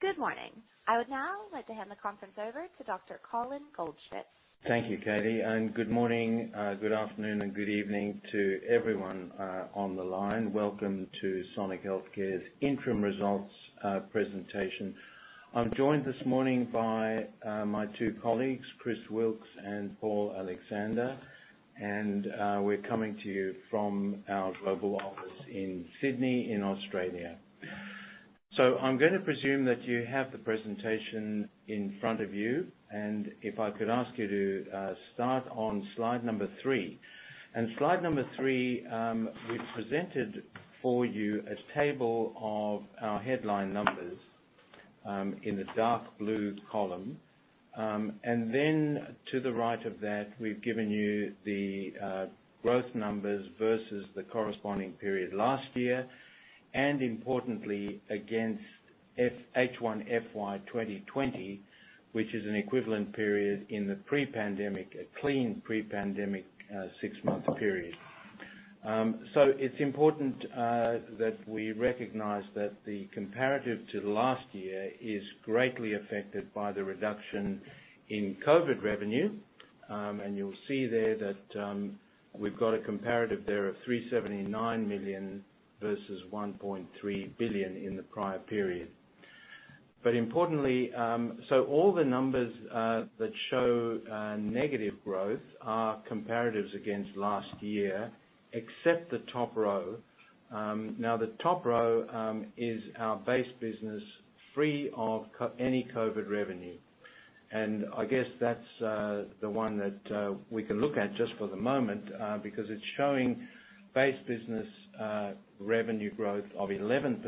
Good morning. I would now like to hand the conference over to Dr. Colin Goldschmidt. Thank you, Katie, good morning, good afternoon, and good evening to everyone on the line. Welcome to Sonic Healthcare's interim results presentation. I'm joined this morning by my two colleagues, Chris Wilks and Paul Alexander. We're coming to you from our global office in Sydney, in Australia. I'm gonna presume that you have the presentation in front of you. If I could ask you to start on slide number three. In slide number three, we've presented for you a table of our headline numbers in the dark blue column. To the right of that, we've given you the growth numbers versus the corresponding period last year, and importantly, against H1FY2020, which is an equivalent period in the pre-pandemic, a clean pre-pandemic, six-month period. It's important that we recognize that the comparative to last year is greatly affected by the reduction in COVID revenue. You'll see there that we've got a comparative there of 379 million versus 1.3 billion in the prior period. All the numbers that show negative growth are comparatives against last year, except the top row. The top row is our base business free of any COVID revenue. I guess that's the one that we can look at just for the moment because it's showing base business revenue growth of 11%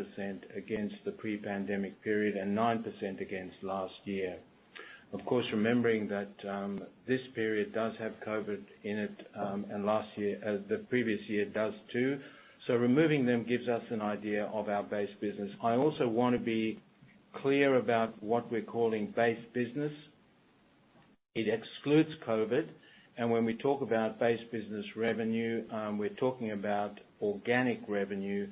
against the pre-pandemic period and 9% against last year. Of course, remembering that this period does have COVID in it, and last year, the previous year does too. Removing them gives us an idea of our base business. I also wanna be clear about what we're calling base business. It excludes COVID, and when we talk about base business revenue, we're talking about organic revenue.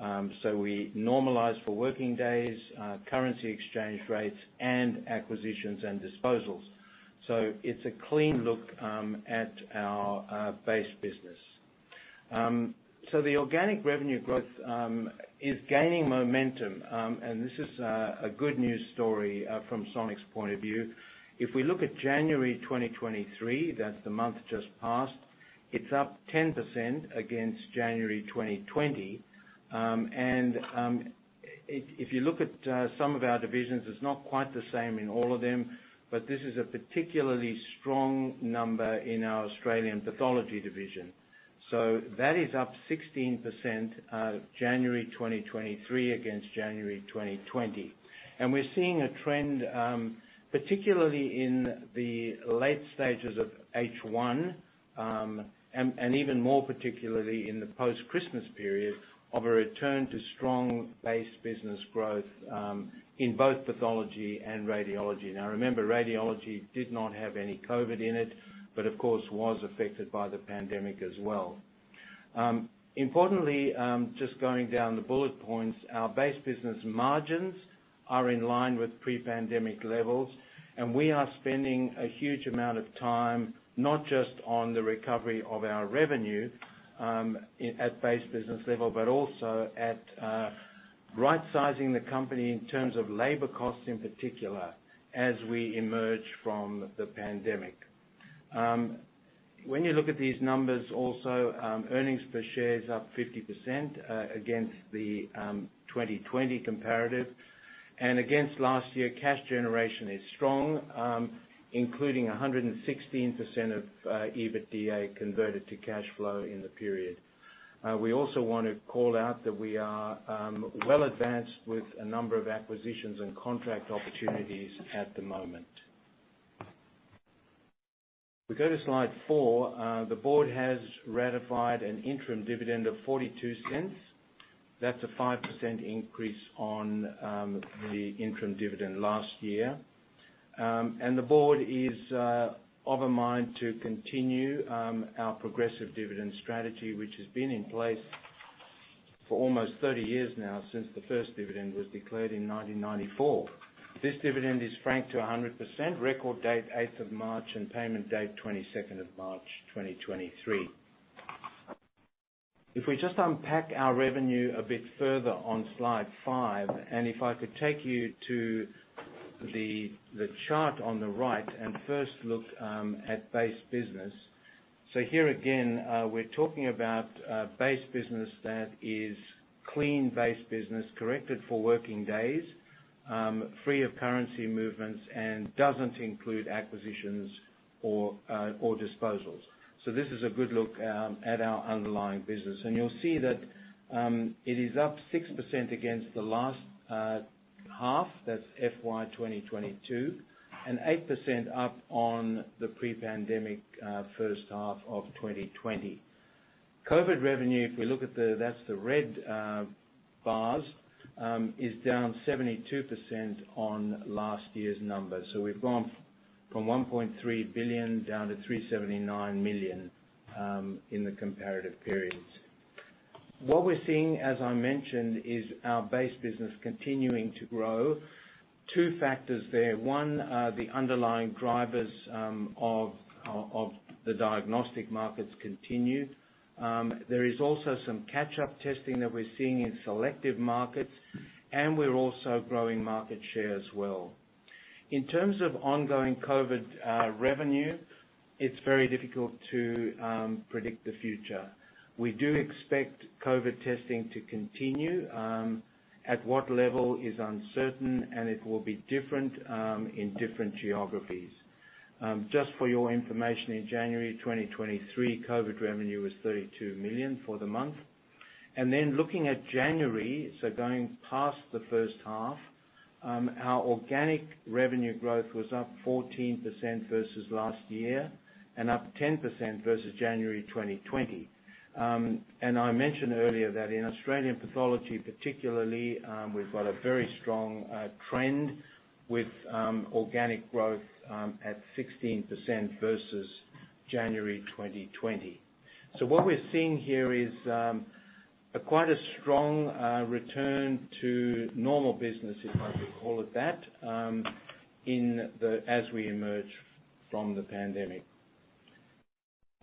We normalize for working days, currency exchange rates, and acquisitions and disposals. It's a clean look at our base business. The organic revenue growth is gaining momentum. This is a good news story from Sonic's point of view. If we look at January 2023, that's the month just passed, it's up 10% against January 2020. If you look at some of our divisions, it's not quite the same in all of them, but this is a particularly strong number in our Australian pathology division. That is up 16%, January 2023 against January 2020. We're seeing a trend, particularly in the late stages of H1, and even more particularly in the post-Christmas period, of a return to strong base business growth, in both pathology and radiology. Remember, radiology did not have any COVID in it, but of course was affected by the pandemic as well. Importantly, just going down the bullet points, our base business margins are in line with pre-pandemic levels, and we are spending a huge amount of time, not just on the recovery of our revenue, at base business level, but also at right-sizing the company in terms of labor costs in particular, as we emerge from the pandemic. When you look at these numbers also, earnings per share is up 50% against the 2020 comparative. Against last year, cash generation is strong, including 116% of EBITDA converted to cash flow in the period. We also want to call out that we are well advanced with a number of acquisitions and contract opportunities at the moment. If we go to slide four, the board has ratified an interim dividend of 0.42. That's a 5% increase on the interim dividend last year. The board is of a mind to continue our progressive dividend strategy, which has been in place for almost 30 years now, since the first dividend was declared in 1994. This dividend is franked to 100%, record date 8th of March, and payment date 22nd of March 2023. We just unpack our revenue a bit further on slide five, and if I could take you to the chart on the right and first look at base business. Here again, we're talking about base business that is clean base business, corrected for working days, free of currency movements, and doesn't include acquisitions or disposals. This is a good look at our underlying business. You'll see that it is up 6% against the last half, that's FY 2022, and 8% up on the pre-pandemic first half of 2020. COVID revenue, if we look at the red bars, is down 72% on last year's numbers. We've gone from 1.3 billion, down to 379 million in the comparative periods. What we're seeing, as I mentioned, is our base business continuing to grow. Two factors there. One, the underlying drivers of the diagnostic markets continue. There is also some catch-up testing that we're seeing in selective markets, and we're also growing market share as well. In terms of ongoing COVID revenue, it's very difficult to predict the future. We do expect COVID testing to continue. At what level is uncertain, and it will be different in different geographies. Just for your information, in January 2023, COVID revenue was 32 million for the month. Looking at January, so going past the first half, our organic revenue growth was up 14% versus last year and up 10% versus January 2020. I mentioned earlier that in Australian pathology particularly, we've got a very strong trend with organic growth at 16% versus January 2020. What we're seeing here is a quite a strong return to normal business, if I could call it that, as we emerge from the pandemic.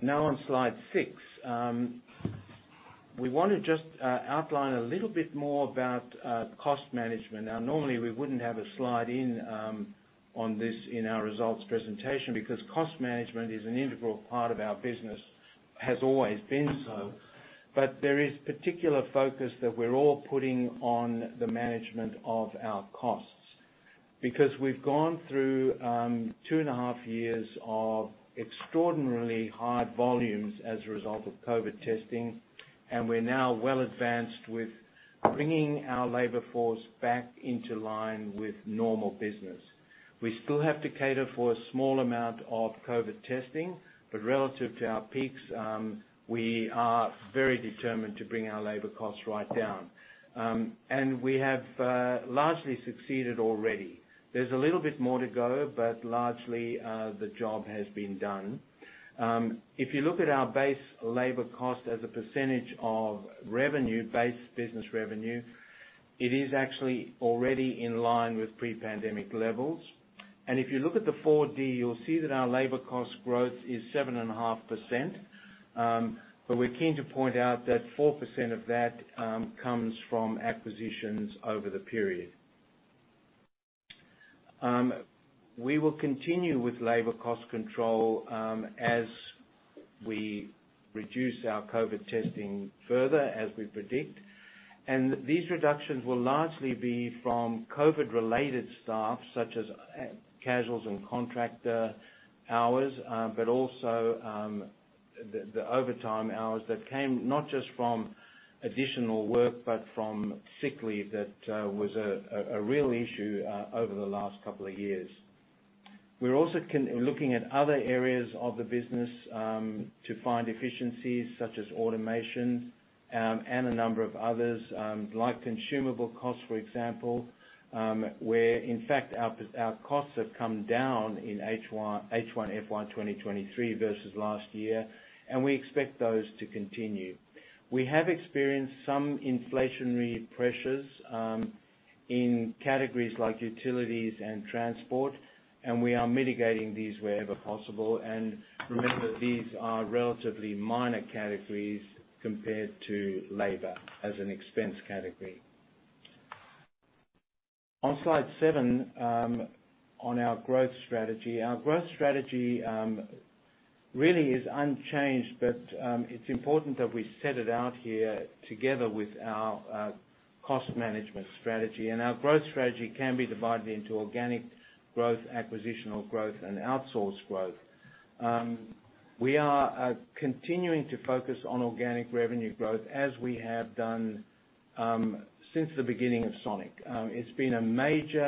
On slide six, we wanna just outline a little bit more about cost management. Normally, we wouldn't have a slide in on this in our results presentation because cost management is an integral part of our business, has always been so. There is particular focus that we're all putting on the management of our costs because we've gone through two and a half years of extraordinarily high volumes as a result of COVID testing. We're now well advanced with bringing our labor force back into line with normal business. We still have to cater for a small amount of COVID testing, but relative to our peaks, we are very determined to bring our labor costs right down. We have largely succeeded already. There's a little bit more to go, but largely, the job has been done. If you look at our base labor cost as a percentage of revenue, base business revenue, it is actually already in line with pre-pandemic levels. If you look at the 4D, you'll see that our labor cost growth is 7.5%. We're keen to point out that 4% of that comes from acquisitions over the period. We will continue with labor cost control as we reduce our COVID testing further, as we predict. These reductions will largely be from COVID-related staff, such as casuals and contractor hours, but also the overtime hours that came not just from additional work, but from sick leave that was a real issue over the last couple of years. We're also looking at other areas of the business to find efficiencies such as automation, and a number of others, like consumable costs, for example, where in fact our costs have come down in HY H1 FY 2023 versus last year, and we expect those to continue. We have experienced some inflationary pressures in categories like utilities and transport, and we are mitigating these wherever possible. Remember, these are relatively minor categories compared to labor as an expense category. On slide seven on our growth strategy. Our growth strategy really is unchanged, but it's important that we set it out here together with our cost management strategy. Our growth strategy can be divided into organic growth, acquisitional growth, and outsource growth. We are continuing to focus on organic revenue growth as we have done since the beginning of Sonic. It's been a major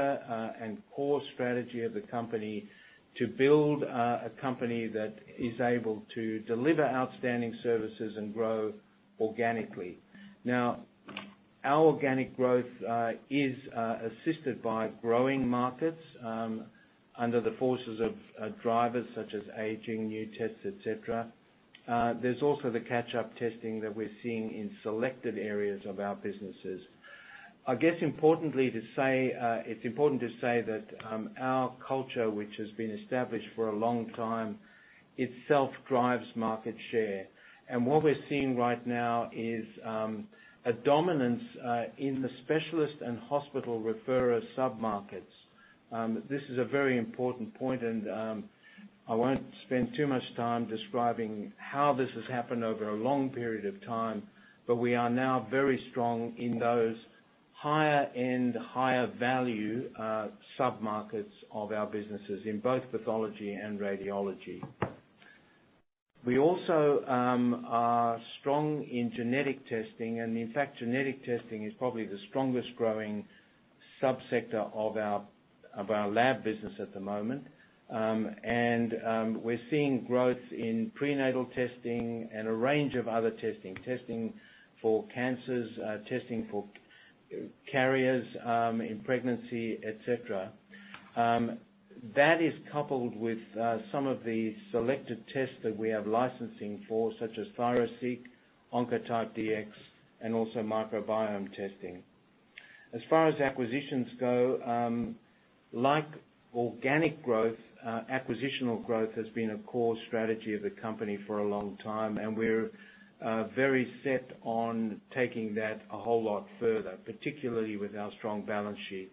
and core strategy of the company to build a company that is able to deliver outstanding services and grow organically. Our organic growth is assisted by growing markets under the forces of drivers such as aging, new tests, et cetera. There's also the catch-up testing that we're seeing in selected areas of our businesses. It's important to say that our culture, which has been established for a long time, itself drives market share. What we're seeing right now is a dominance in the specialist and hospital referrer sub-markets. This is a very important point, and I won't spend too much time describing how this has happened over a long period of time, but we are now very strong in those higher end, higher value sub-markets of our businesses in both pathology and radiology. We also are strong in genetic testing, and in fact, genetic testing is probably the strongest growing sub-sector of our lab business at the moment. We're seeing growth in prenatal testing and a range of other testing. Testing for cancers, testing for Carriers, in pregnancy, et cetera. That is coupled with some of the selected tests that we have licensing for, such as ThyroSeq, Oncotype DX, and also microbiome testing. As far as acquisitions go, like organic growth, acquisitional growth has been a core strategy of the company for a long time, and we're very set on taking that a whole lot further, particularly with our strong balance sheet.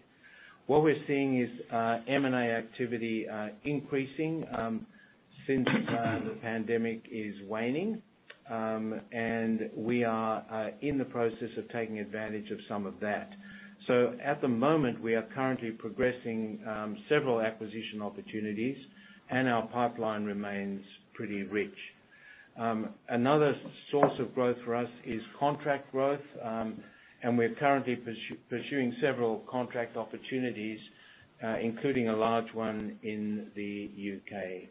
What we're seeing is M&A activity increasing since the pandemic is waning. We are in the process of taking advantage of some of that. At the moment, we are currently progressing several acquisition opportunities, and our pipeline remains pretty rich. Another source of growth for us is contract growth, and we're currently pursuing several contract opportunities, including a large one in the UK.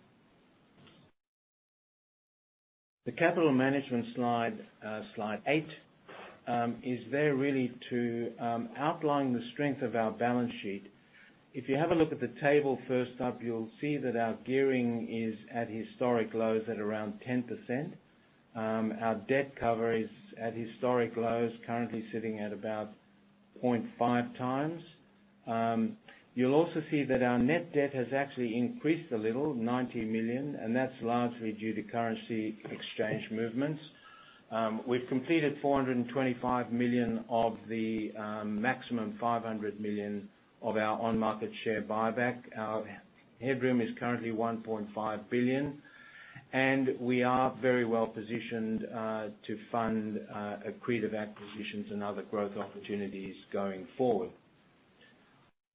The capital management slide eight, is there really to outline the strength of our balance sheet. If you have a look at the table first up, you'll see that our gearing is at historic lows at around 10%. Our debt cover is at historic lows, currently sitting at about 0.5 times. You'll also see that our net debt has actually increased a little, 90 million, and that's largely due to currency exchange movements. We've completed 425 million of the maximum 500 million of our on-market share buyback. Our headroom is currently 1.5 billion. We are very well positioned to fund accretive acquisitions and other growth opportunities going forward.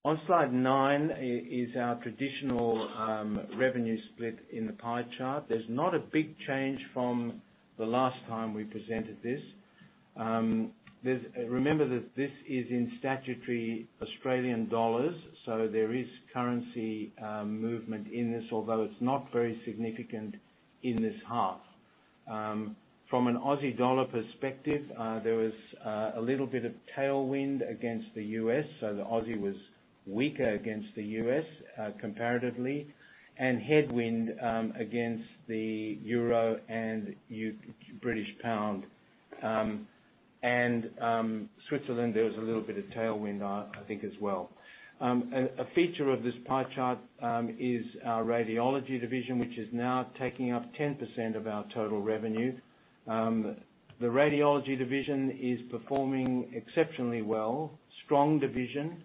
On slide nine is our traditional revenue split in the pie chart. There's not a big change from the last time we presented this. Remember that this is in statutory Australian dollars. There is currency movement in this, although it's not very significant in this half. From an Aussie dollar perspective, there was a little bit of tailwind against the U.S. The Aussie was weaker against the U.S. comparatively. Headwind against the euro and British pound. Switzerland, there was a little bit of tailwind. A feature of this pie chart is our radiology division, which is now taking up 10% of our total revenue. The radiology division is performing exceptionally well. Strong division.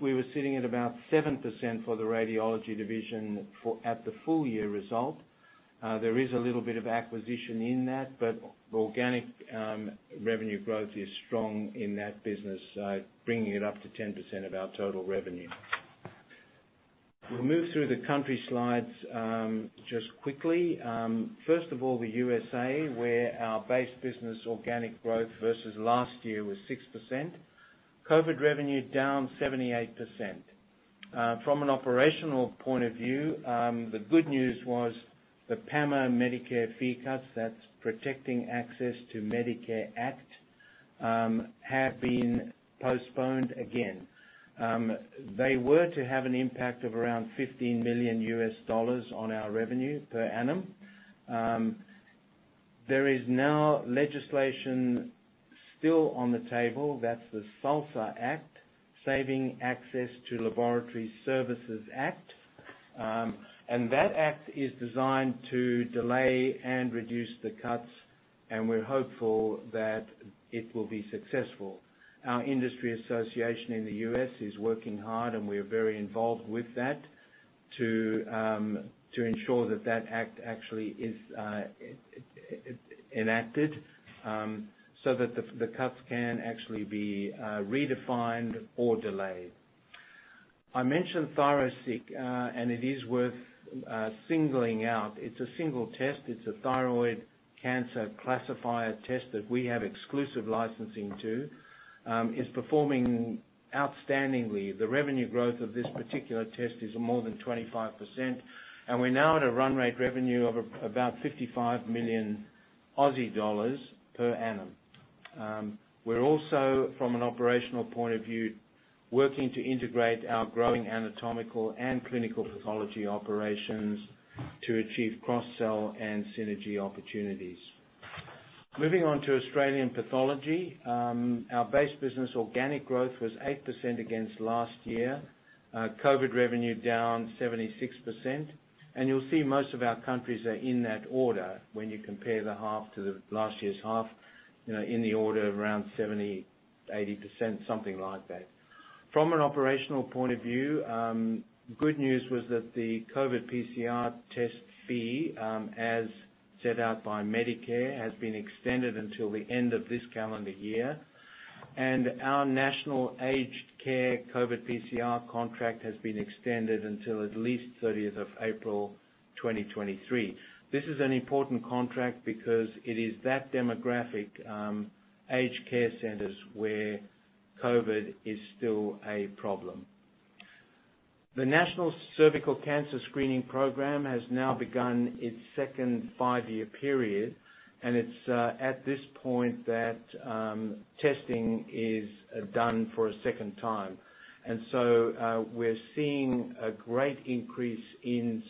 We were sitting at about 7% for the radiology division at the full year result. There is a little bit of acquisition in that, organic revenue growth is strong in that business, bringing it up to 10% of our total revenue. We'll move through the country slides just quickly. First of all, the USA, where our base business organic growth versus last year was 6%. COVID revenue down 78%. From an operational point of view, the good news was the PAMA Medicare fee cuts, that's Protecting Access to Medicare Act, have been postponed again. They were to have an impact of around $15 million on our revenue per annum. There is now legislation still on the table. That's the SALSA Act, Saving Access to Laboratory Services Act. That act is designed to delay and reduce the cuts, and we're hopeful that it will be successful. Our industry association in the U.S. is working hard, and we are very involved with that to ensure that that act actually is enacted so that the cuts can actually be redefined or delayed. I mentioned ThyroSeq, and it is worth singling out. It's a single test. It's a thyroid cancer classifier test that we have exclusive licensing to. It's performing outstandingly. The revenue growth of this particular test is more than 25%, and we're now at a run rate revenue of about 55 million Aussie dollars per annum. We're also, from an operational point of view, working to integrate our growing anatomical and clinical pathology operations to achieve cross-sell and synergy opportunities. Moving on to Australian pathology, our base business organic growth was 8% against last year. COVID revenue down 76%. You'll see most of our countries are in that order when you compare the half to the last year's half, you know, in the order of around 70%, 80%, something like that. From an operational point of view, good news was that the COVID PCR test fee, as set out by Medicare, has been extended until the end of this calendar year. Our national aged care COVID PCR contract has been extended until at least 30th of April 2023. This is an important contract because it is that demographic, aged care centers, where COVID is still a problem. The National Cervical Cancer Screening Program has now begun its second five year period, and it's at this point that testing is done for a second time. We're seeing a great increase in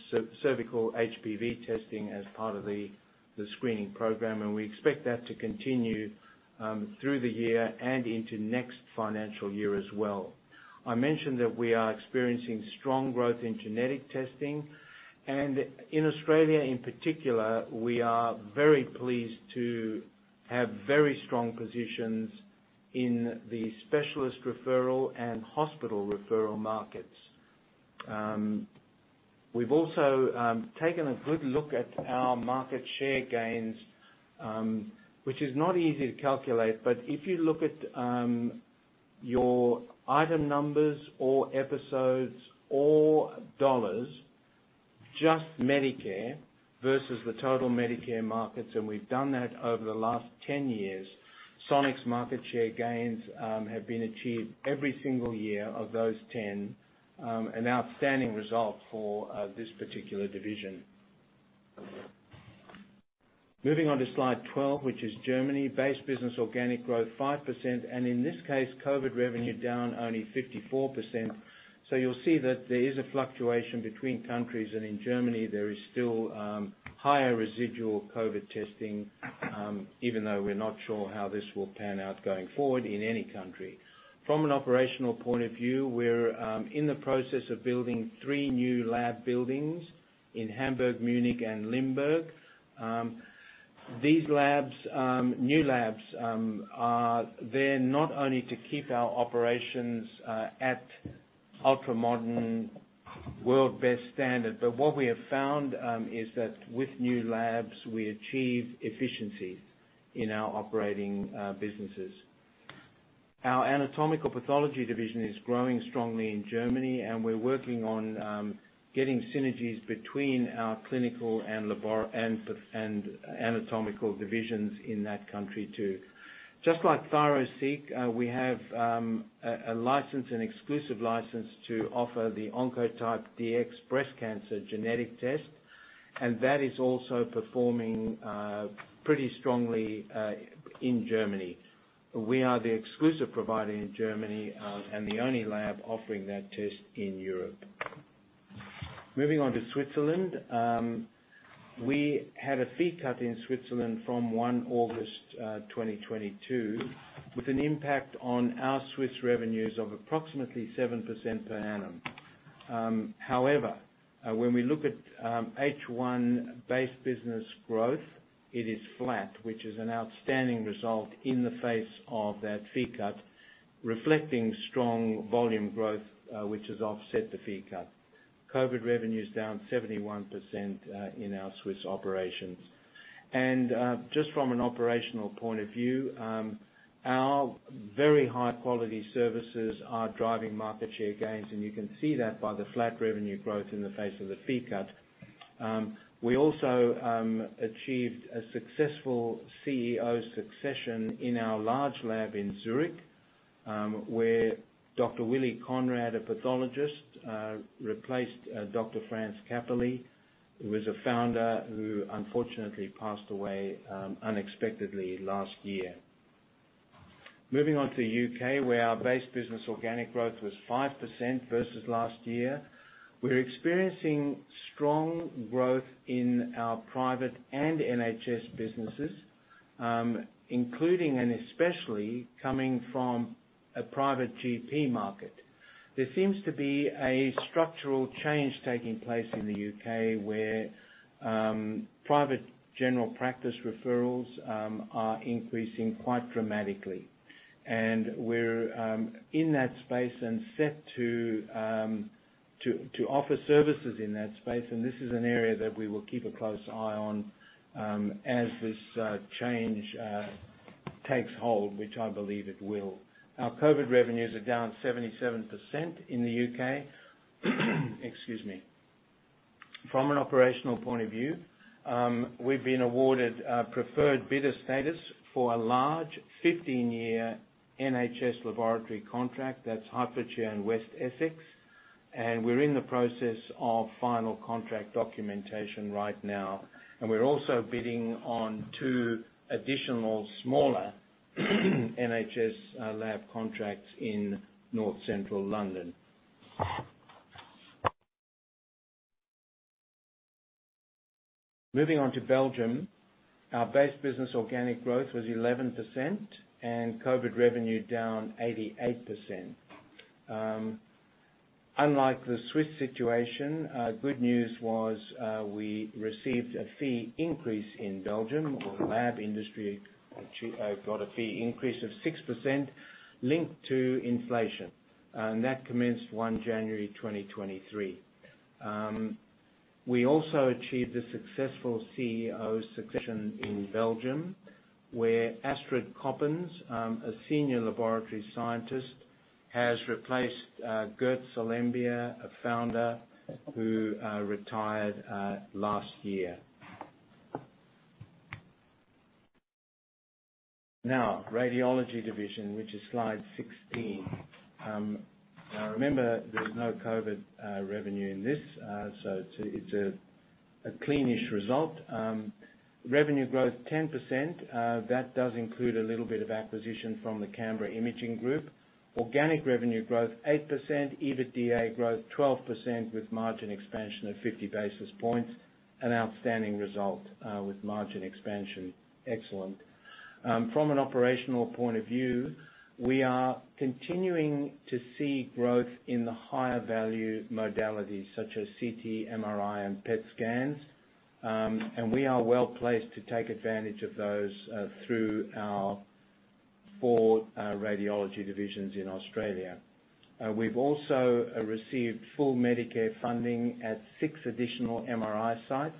cervical HPV testing as part of the screening program, and we expect that to continue through the year and into next financial year as well. I mentioned that we are experiencing strong growth in genetic testing. In Australia, in particular, we are very pleased to have very strong positions in the specialist referral and hospital referral markets. We've also taken a good look at our market share gains, which is not easy to calculate, but if you look at your item numbers or episodes or dollars, just Medicare versus the total Medicare markets, and we've done that over the last 10 years, Sonic's market share gains have been achieved every single year of those 10, an outstanding result for this particular division. Moving on to slide 12, which is Germany. Base business organic growth, 5%, and in this case, COVID revenue down only 54%. You'll see that there is a fluctuation between countries, and in Germany, there is still higher residual COVID testing, even though we're not sure how this will pan out going forward in any country. From an operational point of view, we're in the process of building three new lab buildings in Hamburg, Munich, and Limburg. These labs, new labs, are there not only to keep our operations at ultra-modern world-best standard, but what we have found is that with new labs, we achieve efficiency in our operating businesses. Our anatomical pathology division is growing strongly in Germany, and we're working on getting synergies between our clinical and anatomical divisions in that country too. Just like ThyroSeq, we have a license, an exclusive license to offer the Oncotype DX breast cancer genetic test. That is also performing pretty strongly in Germany. We are the exclusive provider in Germany and the only lab offering that test in Europe. Moving on to Switzerland. We had a fee cut in Switzerland from 1 August 2022, with an impact on our Swiss revenues of approximately 7% per annum. However, when we look at H1 base business growth, it is flat, which is an outstanding result in the face of that fee cut, reflecting strong volume growth, which has offset the fee cut. COVID revenue is down 71% in our Swiss operations. Just from an operational point of view, our very high-quality services are driving market share gains, and you can see that by the flat revenue growth in the face of the fee cut. We also achieved a successful CEO succession in our large lab in Zurich, where Dr. Willy Conrad, a pathologist, replaced Dr. Franz Kaeppeli, who is a founder who unfortunately passed away unexpectedly last year. Moving on to UK, where our base business organic growth was 5% versus last year. We're experiencing strong growth in our private and NHS businesses, including and especially coming from a private GP market. There seems to be a structural change taking place in the UK where private general practice referrals are increasing quite dramatically. We're in that space and set to offer services in that space, and this is an area that we will keep a close eye on as this change takes hold, which I believe it will. Our COVID revenues are down 77% in the U.K. Excuse me. From an operational point of view, we've been awarded a preferred bidder status for a large 15 year NHS laboratory contract, that's Hertfordshire and West Essex, and we're in the process of final contract documentation right now. We're also bidding on two additional smaller NHS lab contracts in North Central London. Moving on to Belgium. Our base business organic growth was 11% and COVID revenue down 88%. Unlike the Swiss situation, good news was, we received a fee increase in Belgium, or the lab industry actually, got a fee increase of 6% linked to inflation. That commenced 1 January 2023. We also achieved a successful CEO succession in Belgium, where Astrid Coppens, a senior laboratory scientist, has replaced Gerd Salembier, a founder who retired last year. Now Radiology Division, which is slide 16. Now remember there is no COVID revenue in this, so it's a clean-ish result. Revenue growth 10%, that does include a little bit of acquisition from the Canberra Imaging Group. Organic revenue growth 8%. EBITDA growth 12% with margin expansion of 50 basis points. An outstanding result with margin expansion. Excellent. From an operational point of view, we are continuing to see growth in the higher value modalities such as CT, MRI, and PET scans. We are well-placed to take advantage of those through our four radiology divisions in Australia. We've also received full Medicare funding at six additional MRI sites,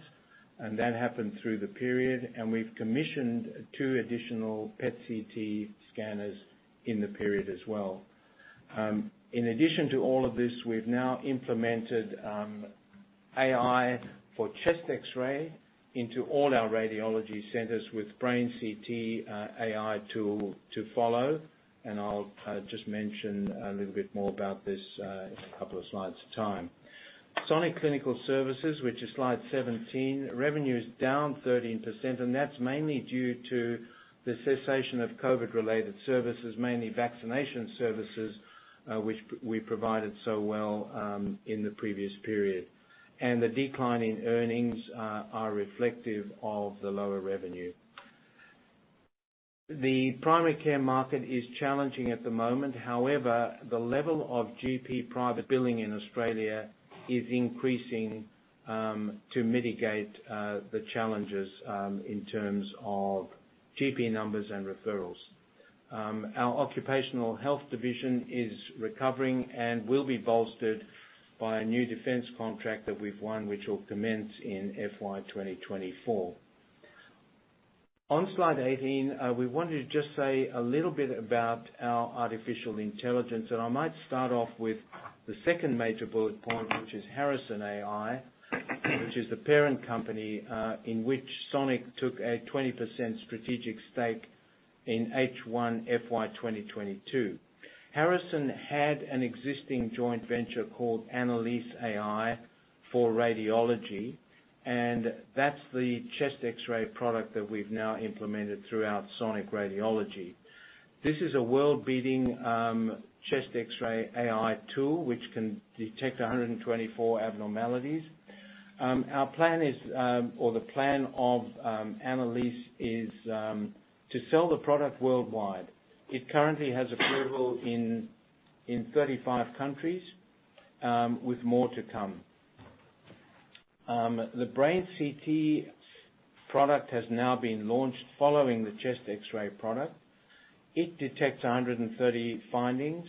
and that happened through the period, and we've commissioned two additional PET/CT scanners in the period as well. In addition to all of this, we've now implemented AI for chest x-ray into all our radiology centers with brain CT AI tool to follow. I'll just mention a little bit more about this in two slides' time. Sonic Clinical Services, which is slide 17, revenue is down 13%, and that's mainly due to the cessation of COVID-related services, mainly vaccination services, which we provided so well in the previous period. The decline in earnings are reflective of the lower revenue. The primary care market is challenging at the moment. However, the level of GP private billing in Australia is increasing to mitigate the challenges in terms of GP numbers and referrals. Our occupational health division is recovering and will be bolstered by a new defense contract that we've won, which will commence in FY 2024. On slide 18, we wanted to just say a little bit about our artificial intelligence. I might start off with the second major bullet point, which is Harrison.ai, which is the parent company, in which Sonic took a 20% strategic stake in H1 FY 2022. Harrison had an existing joint venture called annalise.ai for radiology. That's the chest x-ray product that we've now implemented throughout Sonic Radiology. This is a world-beating chest x-ray AI tool which can detect 124 abnormalities. Our plan is, or the plan of annalise.ai is, to sell the product worldwide. It currently has approval in 35 countries, with more to come. The brain CT product has now been launched following the chest x-ray product. It detects 130 findings,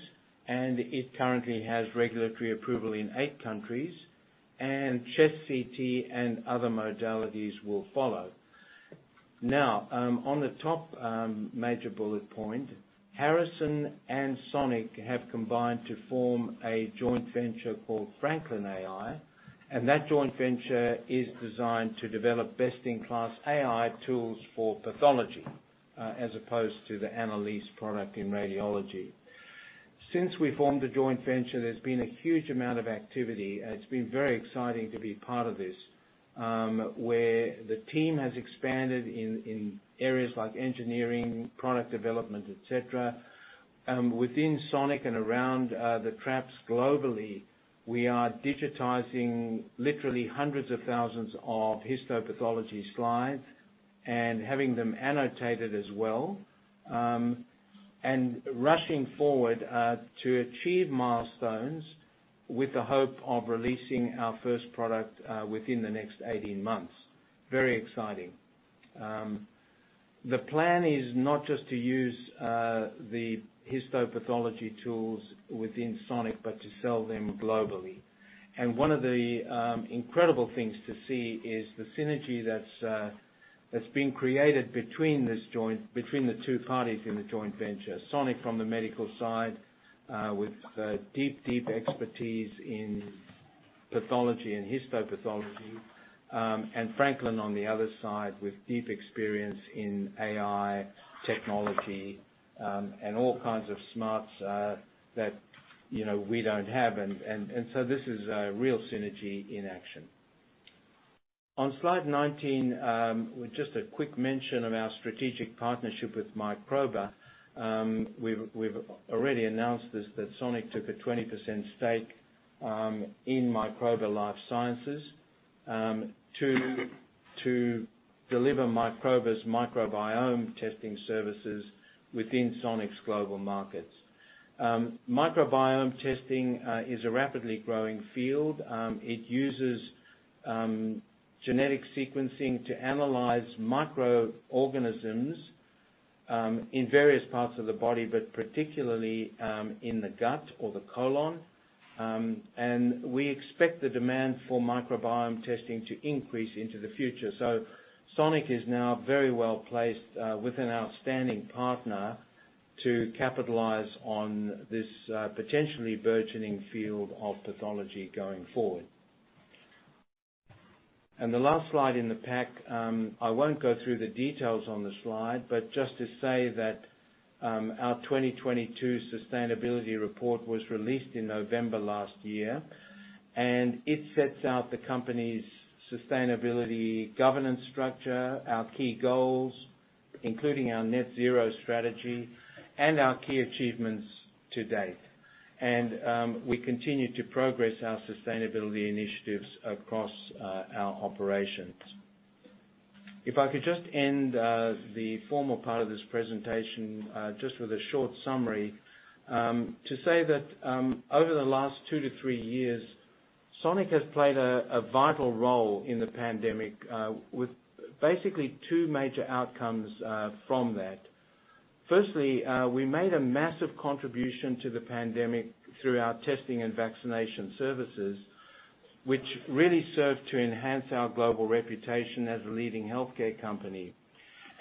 and it currently has regulatory approval in eight countries, and chest CT and other modalities will follow. On the top major bullet point, Harrison and Sonic have combined to form a joint venture called franklin.ai, and that joint venture is designed to develop best-in-class AI tools for pathology, as opposed to the annalise.ai product in radiology. Since we formed the joint venture, there's been a huge amount of activity, and it's been very exciting to be part of this, where the team has expanded in areas like engineering, product development, et cetera. Within Sonic and around the traps globally, we are digitizing literally hundreds of thousands of histopathology slides and having them annotated as well, and rushing forward to achieve milestones with the hope of releasing our first product within the next 18 months. Very exciting. The plan is not just to use the histopathology tools within Sonic, but to sell them globally. One of the incredible things to see is the synergy that's being created between the two parties in the joint venture. Sonic from the medical side, with deep, deep expertise in pathology and histopathology, and Franklin on the other side with deep experience in AI technology, and all kinds of smarts that, you know, we don't have. This is real synergy in action. On slide 19, just a quick mention of our strategic partnership with Microba. We've already announced this, that Sonic took a 20% stake in Microba Life Sciences to deliver Microba's microbiome testing services within Sonic's global markets. Microbiome testing is a rapidly growing field. It uses genetic sequencing to analyze microorganisms in various parts of the body, but particularly in the gut or the colon. We expect the demand for microbiome testing to increase into the future. Sonic is now very well-placed with an outstanding partner to capitalize on this potentially burgeoning field of pathology going forward. The last slide in the pack, I won't go through the details on the slide, but just to say that our 2022 sustainability report was released in November last year, and it sets out the company's sustainability governance structure, our key goals, including our net zero strategy and our key achievements to date. We continue to progress our sustainability initiatives across our operations. If I could just end the formal part of this presentation just with a short summary to say that over the last two to three years, Sonic has played a vital role in the pandemic with basically two major outcomes from that. Firstly, we made a massive contribution to the pandemic through our testing and vaccination services, which really served to enhance our global reputation as a leading healthcare company.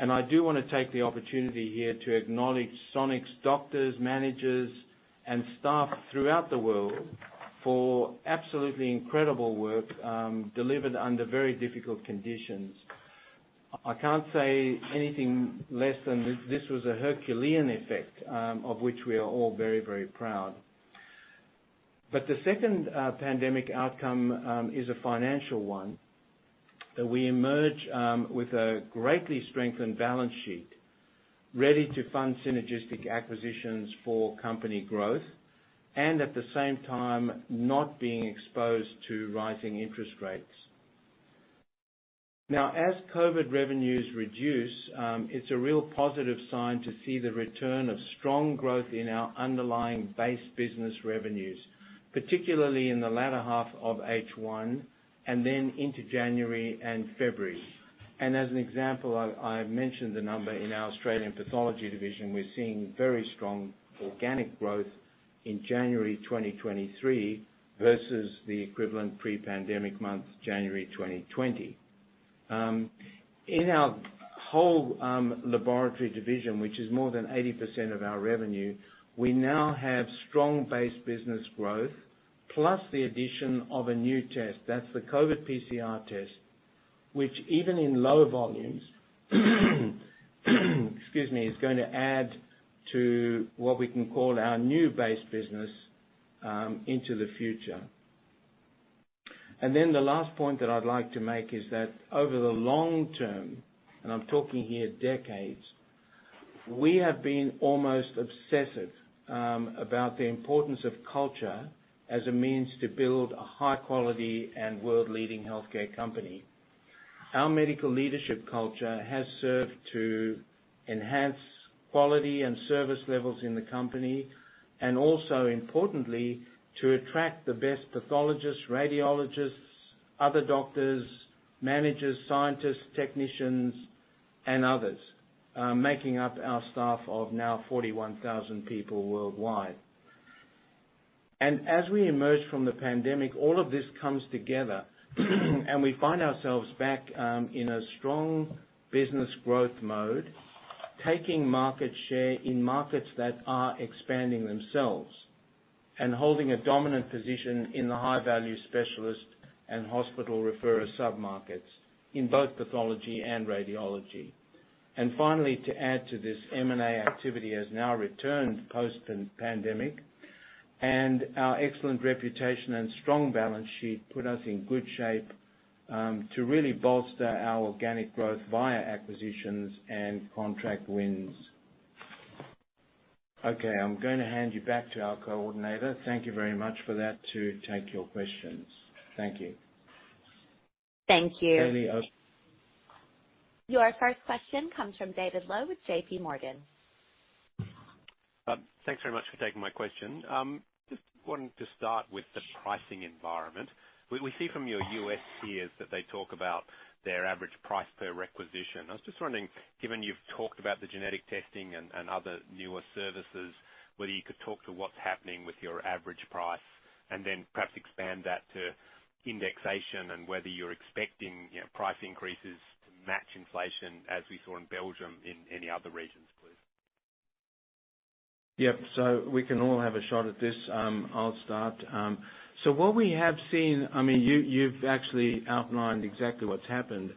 I do wanna take the opportunity here to acknowledge Sonic's doctors, managers, and staff throughout the world for absolutely incredible work, delivered under very difficult conditions. I can't say anything less than this was a Herculean effect, of which we are all very, very proud. The second pandemic outcome is a financial one, that we emerge with a greatly strengthened balance sheet ready to fund synergistic acquisitions for company growth and at the same time not being exposed to rising interest rates. As COVID revenues reduce, it's a real positive sign to see the return of strong growth in our underlying base business revenues, particularly in the latter half of H1 and then into January and February. As an example, I've mentioned the number in our Australian pathology division, we're seeing very strong organic growth in January 2023 versus the equivalent pre-pandemic month, January 2020. In our whole laboratory division, which is more than 80% of our revenue, we now have strong base business growth, plus the addition of a new test. That's the COVID PCR test, which even in lower volumes, excuse me, is gonna add to what we can call our new base business into the future. The last point that I'd like to make is that over the long term, and I'm talking here decades, we have been almost obsessive about the importance of culture as a means to build a high quality and world-leading healthcare company. Our medical leadership culture has served to enhance quality and service levels in the company, and also importantly, to attract the best pathologists, radiologists, other doctors, managers, scientists, technicians, and others, making up our staff of now 41,000 people worldwide. As we emerge from the pandemic, all of this comes together, and we find ourselves back in a strong business growth mode, taking market share in markets that are expanding themselves and holding a dominant position in the high value specialist and hospital referer submarkets in both pathology and radiology. Finally, to add to this, M&A activity has now returned post-pan-pandemic, and our excellent reputation and strong balance sheet put us in good shape to really bolster our organic growth via acquisitions and contract wins. I'm gonna hand you back to our coordinator. Thank you very much for that, to take your questions. Thank you. Thank you. Your first question comes from David Low with JP Morgan. Thanks very much for taking my question. Just wanted to start with the pricing environment. We, we see from your U.S. peers that they talk about their average price per requisition. I was just wondering, given you've talked about the genetic testing and other newer services, whether you could talk to what's happening with your average price and then perhaps expand that to indexation and whether you're expecting, you know, price increases to match inflation as we saw in Belgium in any other regions, please. Yep. We can all have a shot at this. I'll start. What we have seen. I mean, you've actually outlined exactly what's happened.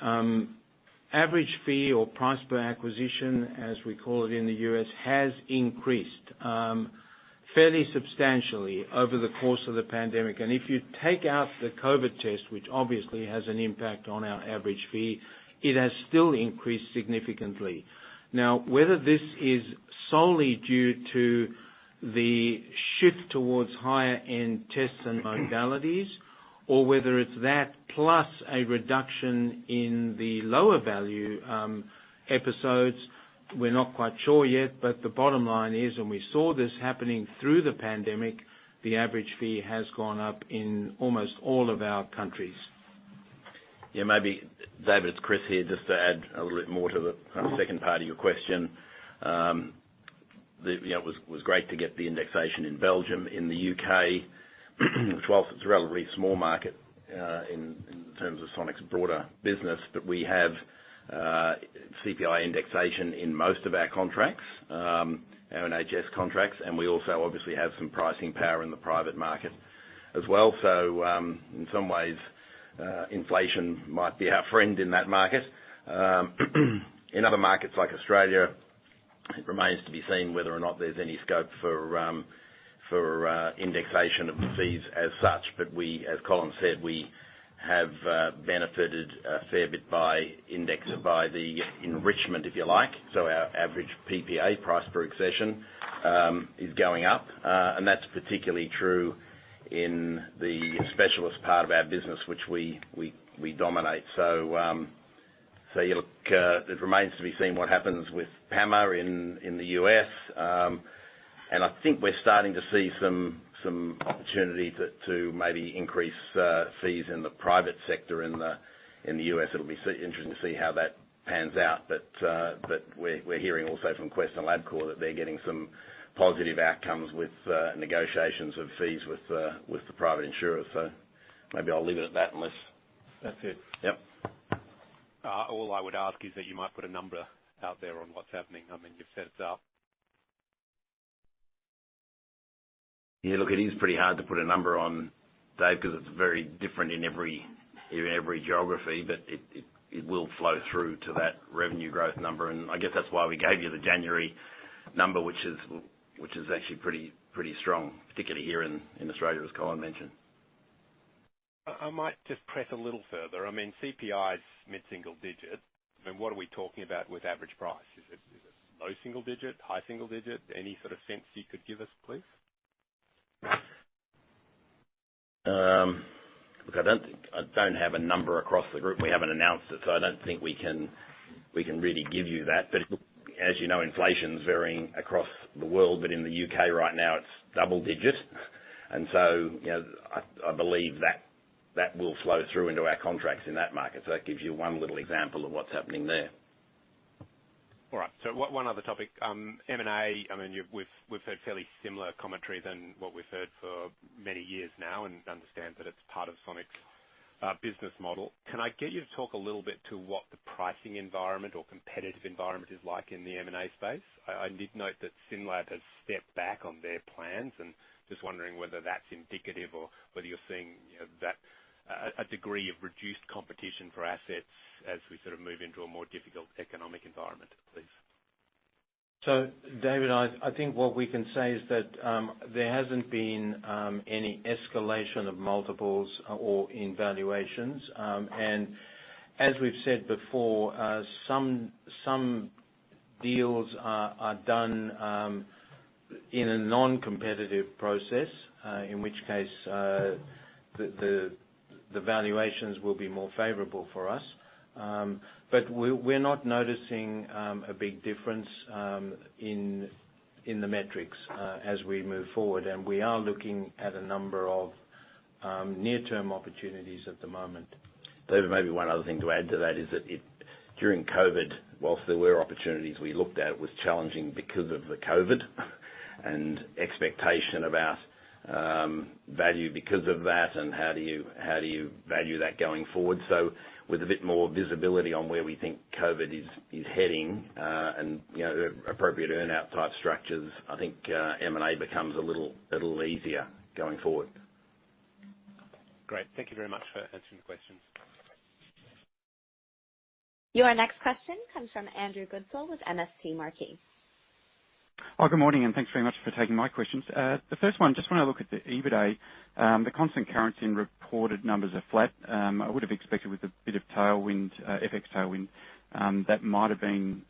Average fee or price per accession, as we call it in the U.S., has increased fairly substantially over the course of the pandemic. If you take out the COVID test, which obviously has an impact on our average fee, it has still increased significantly. Now, whether this is solely due to the shift towards higher end tests and modalities, or whether it's that plus a reduction in the lower value episodes, we're not quite sure yet. The bottom line is, and we saw this happening through the pandemic, the average fee has gone up in almost all of our countries. Yeah, maybe, David, it's Chris here, just to add a little bit more to the kind of second part of your question. You know, it was great to get the indexation in Belgium. In the UK, whilst it's a relatively small market, in terms of Sonic's broader business, but we have CPI indexation in most of our contracts, our NHS contracts, and we also obviously have some pricing power in the private market as well. In some ways, inflation might be our friend in that market. In other markets like Australia, it remains to be seen whether or not there's any scope for indexation of the fees as such. We, as Colin said, we have benefited a fair bit by index, by the enrichment, if you like. Our average PPA, price per accession, is going up, and that's particularly true in the specialist part of our business, which we dominate. It remains to be seen what happens with PAMA in the U.S., and I think we're starting to see some opportunity to maybe increase fees in the private sector in the U.S. It'll be interesting to see how that pans out. We're hearing also from Quest and Labcorp that they're getting some positive outcomes with negotiations of fees with the private insurers. Maybe I'll leave it at that, unless... That's it. Yep. All I would ask is that you might put a number out there on what's happening. I mean, you've set it up. Yeah, look, it is pretty hard to put a number on, Dave, 'cause it's very different in every, in every geography, but it, it will flow through to that revenue growth number. I guess that's why we gave you the January number, which is actually pretty strong, particularly here in Australia, as Colin mentioned. I might just press a little further. I mean, CPI is mid-single digit. I mean, what are we talking about with average price? Is it low single digit? High single digit? Any sort of sense you could give us, please? Look, I don't have a number across the group. We haven't announced it. I don't think we can really give you that. But look, as you know, inflation's varying across the world, but in the U.K. right now, it's double digits. You know, I believe that will flow through into our contracts in that market. That gives you one little example of what's happening there. All right. One other topic. M&A, I mean, we've heard fairly similar commentary than what we've heard for many years now and understand that it's part of Sonic business model. Can I get you to talk a little bit to what the pricing environment or competitive environment is like in the M&A space? I did note that SYNLAB has stepped back on their plans, and just wondering whether that's indicative or whether you're seeing that, a degree of reduced competition for assets as we sort of move into a more difficult economic environment, please. David, I think what we can say is that there hasn't been any escalation of multiples or in valuations. As we've said before, some deals are done in a non-competitive process, in which case the valuations will be more favorable for us. But we're not noticing a big difference in the metrics as we move forward. We are looking at a number of near-term opportunities at the moment. David, maybe one other thing to add to that is that during COVID, whilst there were opportunities we looked at, it was challenging because of the COVID and expectation about value because of that, and how do you value that going forward. With a bit more visibility on where we think COVID is heading, and, you know, appropriate earn-out type structures, I think M&A becomes a little easier going forward. Great. Thank you very much for answering the questions. Your next question comes from Andrew Goodsall with MST Marquee. Good morning, and thanks very much for taking my questions. The first one, just want to look at the EBITA. The constant currency in reported numbers are flat. I would have expected with a bit of tailwind, FX tailwind, that might have been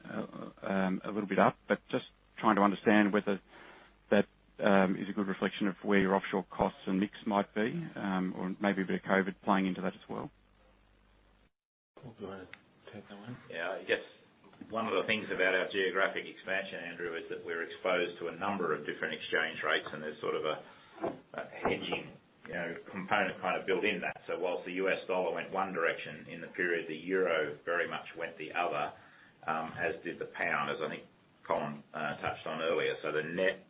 a little bit up. Just trying to understand whether that is a good reflection of where your offshore costs and mix might be, or maybe a bit of COVID playing into that as well. Well, do you wanna take that one? I guess one of the things about our geographic expansion, Andrew, is that we're exposed to a number of different exchange rates, and there's sort of a hedging, you know, component kind of built in that. Whilst the US dollar went one direction in the period, the euro very much went the other, as did the pound, as I think Colin touched on earlier. The net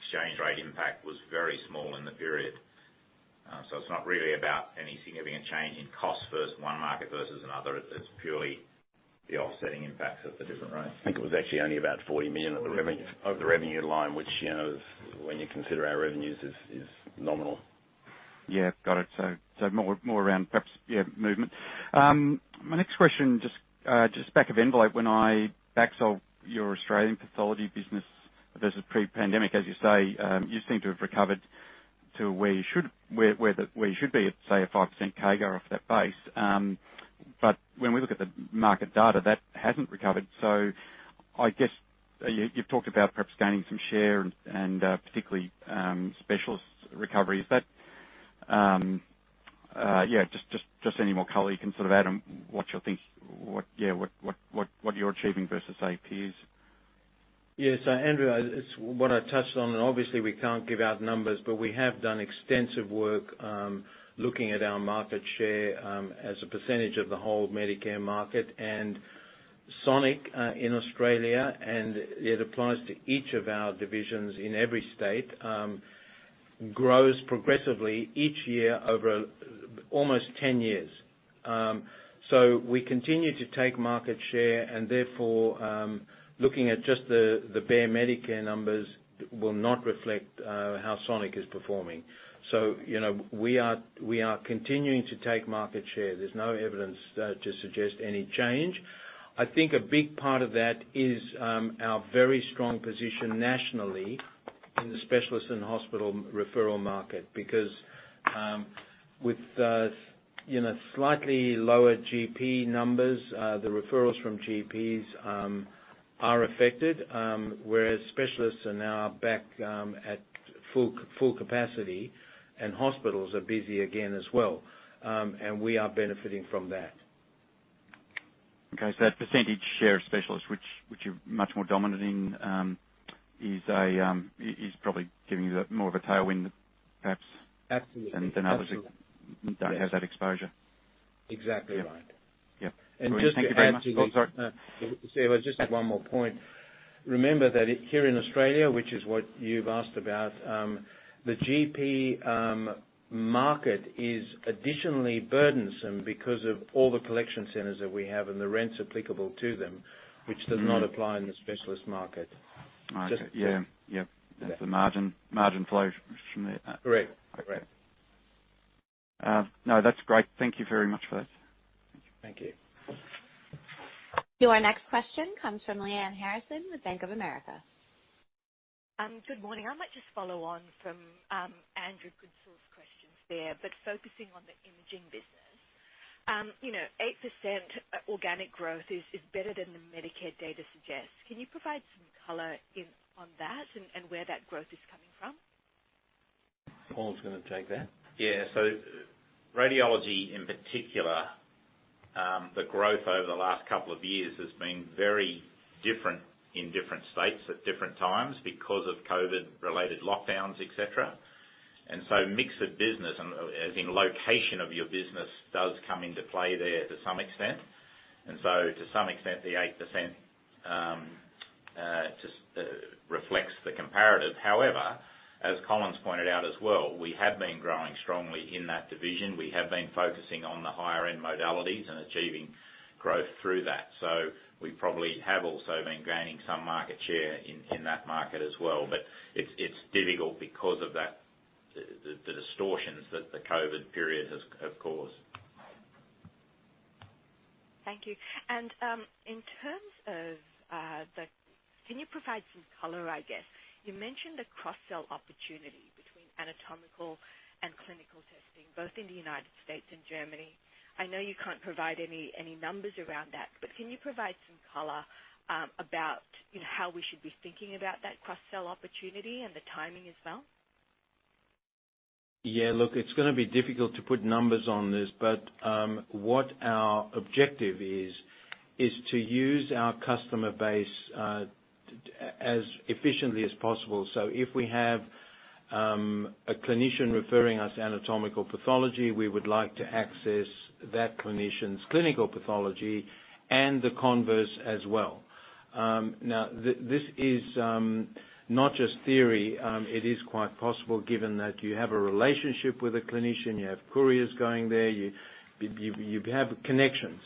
exchange rate impact was very small in the period. It's not really about any significant change in cost versus one market versus another. It's purely the offsetting impacts at the different rates. I think it was actually only about 40 million of the revenue line, which, you know, when you consider our revenues is nominal. Yeah, got it. More around perhaps, yeah, movement. My next question, just back of envelope, when I back solve your Australian pathology business versus pre-pandemic, as you say, you seem to have recovered to where you should be at, say, a 5% CAGR off that base. When we look at the market data, that hasn't recovered. I guess you've talked about perhaps gaining some share and particularly, specialist recovery. Is that? Yeah, just any more color you can sort of add on what you're achieving versus, say, peers. Andrew, it's what I touched on, and obviously we can't give out numbers, but we have done extensive work, looking at our market share, as a percentage of the whole Medicare market. Sonic, in Australia, and it applies to each of our divisions in every state, grows progressively each year over a, almost 10 years. We continue to take market share and therefore, looking at just the bare Medicare numbers will not reflect how Sonic is performing. You know, we are continuing to take market share. There's no evidence to suggest any change. I think a big part of that is our very strong position nationally in the specialists and hospital referral market, because, with, you know, slightly lower GP numbers, the referrals from GPs are affected, whereas specialists are now back at full capacity and hospitals are busy again as well. We are benefiting from that. Okay. That percentage share of specialists which you're much more dominant in, is probably giving you the more of a tailwind perhaps. Absolutely. Others that don't have that exposure. Exactly right. Yeah. Just to add to that. Thank you very much. Just one more point. Remember that here in Australia, which is what you've asked about, the GP market is additionally burdensome because of all the collection centers that we have and the rents applicable to them, which does not apply in the specialist market. Okay. Yeah. That's the margin flow from there. Correct. Okay. Correct. No, that's great. Thank you very much for that. Thank you. Your next question comes from Lyanne Harrison with Bank of America. Good morning. I might just follow on from Andrew Goodsall questions there, but focusing on the imaging business. 8% organic growth is better than the Medicare data suggests. Can you provide some color in on that and where that growth is coming from? Paul's gonna take that. Radiology in particular, the growth over the last two years has been very different in different states at different times because of COVID related lockdowns, etc. Mix of business and as in location of your business, does come into play there to some extent. To some extent, the 8% just reflects the comparative. However, as Colin's pointed out as well, we have been growing strongly in that division. We have been focusing on the higher end modalities and achieving growth through that. We probably have also been gaining some market share in that market as well. It's difficult because of that, the distortions that the COVID period have caused. Thank you. In terms of, Can you provide some color, I guess? You mentioned the cross-sell opportunity between anatomical and clinical testing, both in the United States and Germany. I know you can't provide any numbers around that, but can you provide some color, about how we should be thinking about that cross-sell opportunity and the timing as well? It's gonna be difficult to put numbers on this, but what our objective is to use our customer base as efficiently as possible. If we have a clinician referring us anatomical pathology, we would like to access that clinician's clinical pathology and the converse as well. Now, this is not just theory. It is quite possible, given that you have a relationship with a clinician, you have couriers going there, you have connections.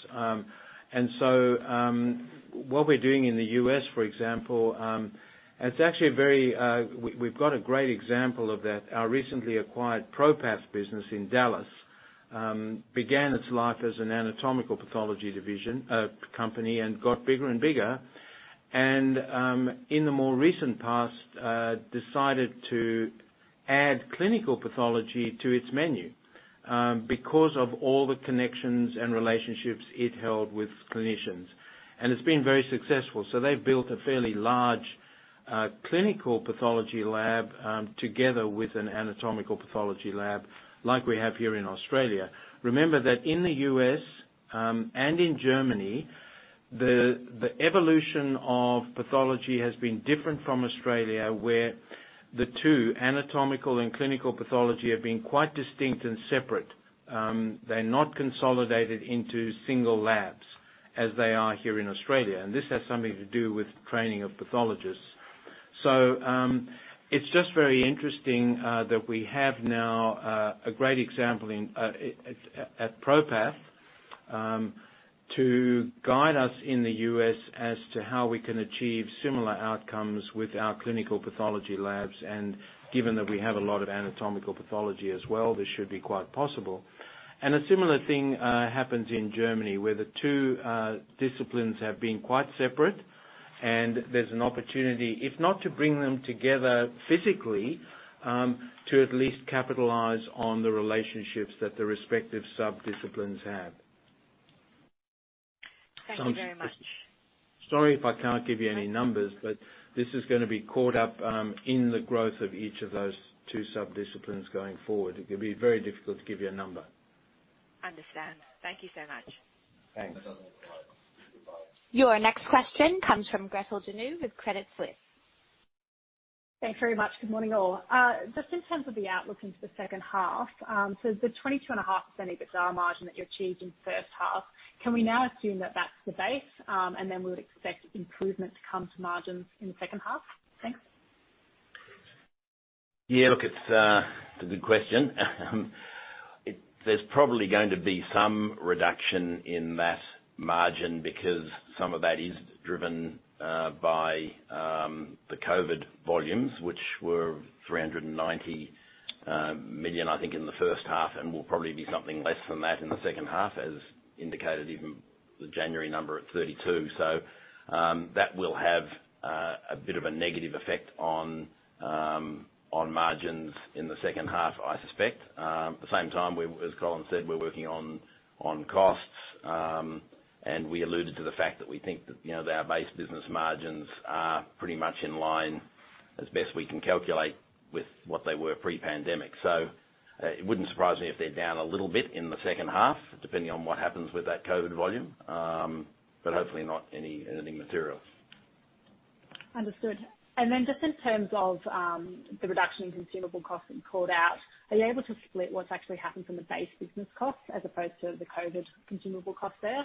What we're doing in the U.S., for example, it's actually a very, we've got a great example of that. Our recently acquired ProPath business in Dallas began its life as an anatomical pathology division company and got bigger and bigger. In the more recent past, decided to add clinical pathology to its menu because of all the connections and relationships it held with clinicians. It's been very successful. They've built a fairly large clinical pathology lab together with an anatomical pathology lab like we have here in Australia. Remember that in the U.S. and in Germany, the evolution of pathology has been different from Australia, where the two, anatomical and clinical pathology, have been quite distinct and separate. They're not consolidated into single labs as they are here in Australia, and this has something to do with training of pathologists. it's just very interesting that we have now a great example in ProPath to guide us in the U.S. as to how we can achieve similar outcomes with our clinical pathology labs, and given that we have a lot of anatomical pathology as well, this should be quite possible. A similar thing happens in Germany, where the two disciplines have been quite separate, and there's an opportunity, if not to bring them together physically, to at least capitalize on the relationships that the respective sub-disciplines have. Thank you very much. Sorry if I can't give you any numbers, but this is gonna be caught up in the growth of each of those two sub-disciplines going forward. It would be very difficult to give you a number. Understand. Thank you so much. Thanks. Your next question comes from Gretel Janu with Credit Suisse. Thanks very much. Good morning, all. Just in terms of the outlook into the second half, the 22.5% EBITDA margin that you achieved in the first half, can we now assume that that's the base, then we would expect improvement to come to margins in the second half? Thanks. Yeah, look, it's a good question. There's probably going to be some reduction in that margin because some of that is driven by the COVID volumes, which were 390 million, I think, in the first half, and will probably be something less than that in the second half, as indicated, even the January number at 32. That will have a bit of a negative effect on margins in the second half, I suspect. At the same time, as Colin said, we're working on costs, and we alluded to the fact that we think that, you know, our base business margins are pretty much in line as best we can calculate with what they were pre-pandemic. It wouldn't surprise me if they're down a little bit in the second half, depending on what happens with that COVID volume, but hopefully not anything material. Understood. Then just in terms of, the reduction in consumable costs you called out, are you able to split what's actually happened from the base business costs as opposed to the COVID consumable costs there?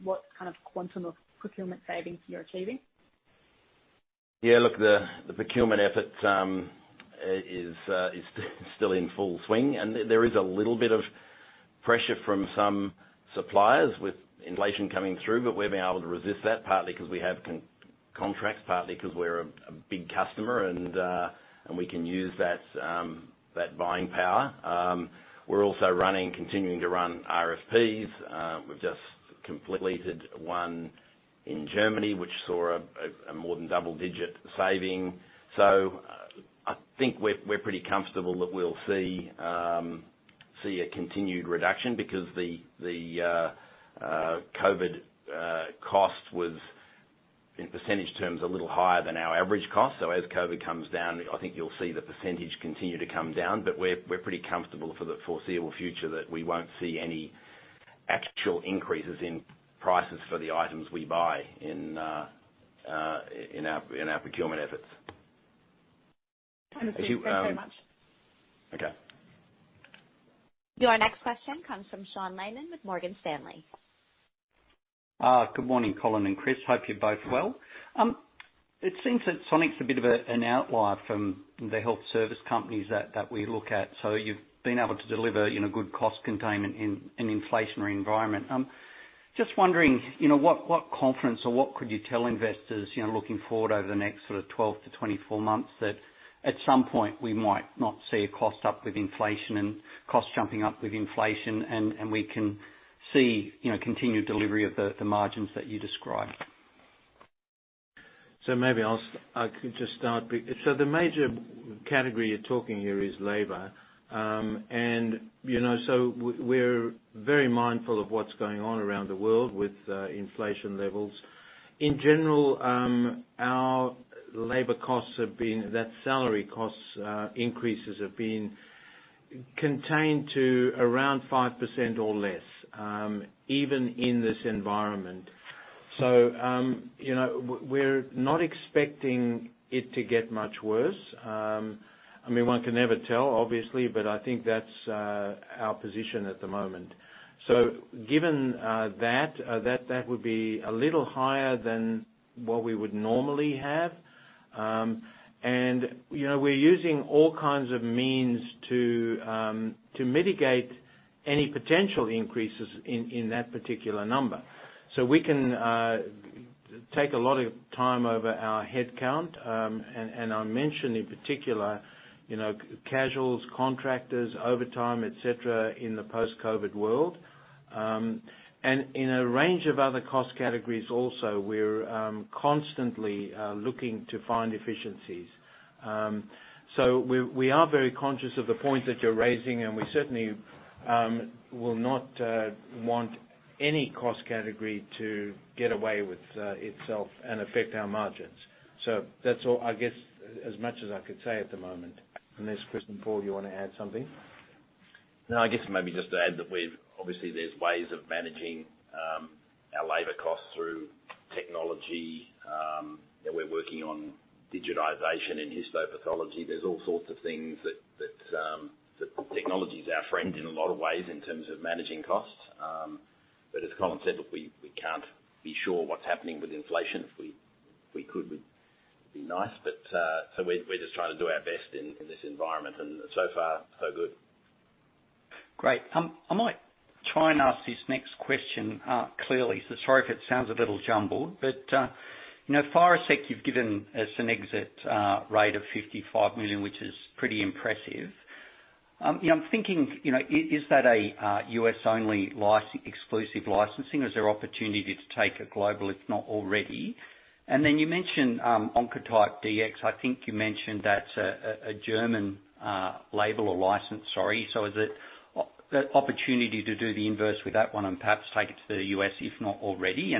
What kind of quantum of procurement savings you're achieving? Look, the procurement effort is still in full swing, There is a little bit of pressure from some suppliers with inflation coming through, We've been able to resist that, partly 'cause we have contracts, partly 'cause we're a big customer and we can use that buying power. We're also running, continuing to run RFPs. We've just completed one in Germany which saw a more than double-digit saving. I think we're pretty comfortable that we'll see a continued reduction because the COVID cost was, in percentage terms, a little higher than our average cost. As COVID comes down, I think you'll see the percentage continue to come down. We're pretty comfortable for the foreseeable future that we won't see any actual increases in prices for the items we buy in our procurement efforts. Understood. Thanks very much. Okay. Your next question comes from Sean Laaman with Morgan Stanley. Good morning, Colin and Chris. Hope you're both well. It seems that Sonic's a bit of an outlier from the health service companies that we look at. You've been able to deliver, you know, good cost containment in an inflationary environment. Just wondering, you know, what confidence or what could you tell investors, you know, looking forward over the next sort of 12 to 24 months, that at some point we might not see a cost up with inflation and jumping up with inflation and we can see, you know, continued delivery of the margins that you described? Maybe the major category you're talking here is labor, and, you know, we're very mindful of what's going on around the world with inflation levels. In general, that salary cost increases have been contained to around 5% or less, even in this environment. You know, we're not expecting it to get much worse. I mean, one can never tell, obviously, but I think that's our position at the moment. Given that would be a little higher than what we would normally have. You know, we're using all kinds of means to mitigate any potential increases in that particular number. We can take a lot of time over our headcount, and I mentioned in particular, you know, casuals, contractors, overtime, et cetera, in the post-COVID world. In a range of other cost categories also, we're constantly looking to find efficiencies. We're very conscious of the point that you're raising, and we certainly will not want any cost category to get away with itself and affect our margins. That's all, I guess, as much as I could say at the moment. Unless Chris and Paul, you wanna add something? I guess maybe just to add that obviously there's ways of managing our labor costs through technology that we're working on digitization and histopathology. There's all sorts of things that technology is our friend in a lot of ways in terms of managing costs. As Colin said, look, we can't be sure what's happening with inflation. If we could, would be nice, we're just trying to do our best in this environment, and so far, so good. Great. I might try and ask this next question clearly, so sorry if it sounds a little jumbled, but, you know, ThyroSeq, you've given us an exit rate of $55 million, which is pretty impressive. You know, I'm thinking, you know, is that a U.S. only exclusive licensing, or is there opportunity to take it global, if not already? You mentioned Oncotype DX. I think you mentioned that's a German label or license, sorry. Is it opportunity to do the inverse with that one and perhaps take it to the U.S., if not already?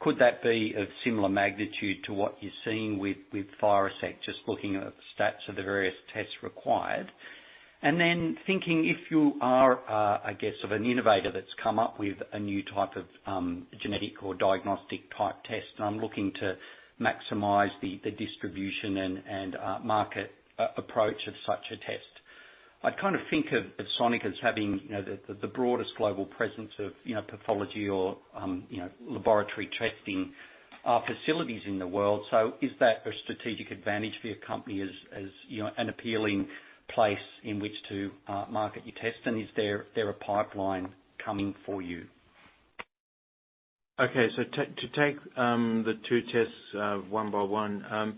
Could that be of similar magnitude to what you're seeing with ThyroSeq, just looking at the stats of the various tests required? Thinking if you are, I guess of an innovator that's come up with a new type of, genetic or diagnostic type test, and I'm looking to maximize the distribution and, market approach of such a test. I'd kind of think of Sonic as having, you know, the broadest global presence of, you know, pathology or, you know, laboratory testing, facilities in the world. Is that a strategic advantage for your company as, you know, an appealing place in which to market your test? Is there a pipeline coming for you? Okay. To take the two tests one by one.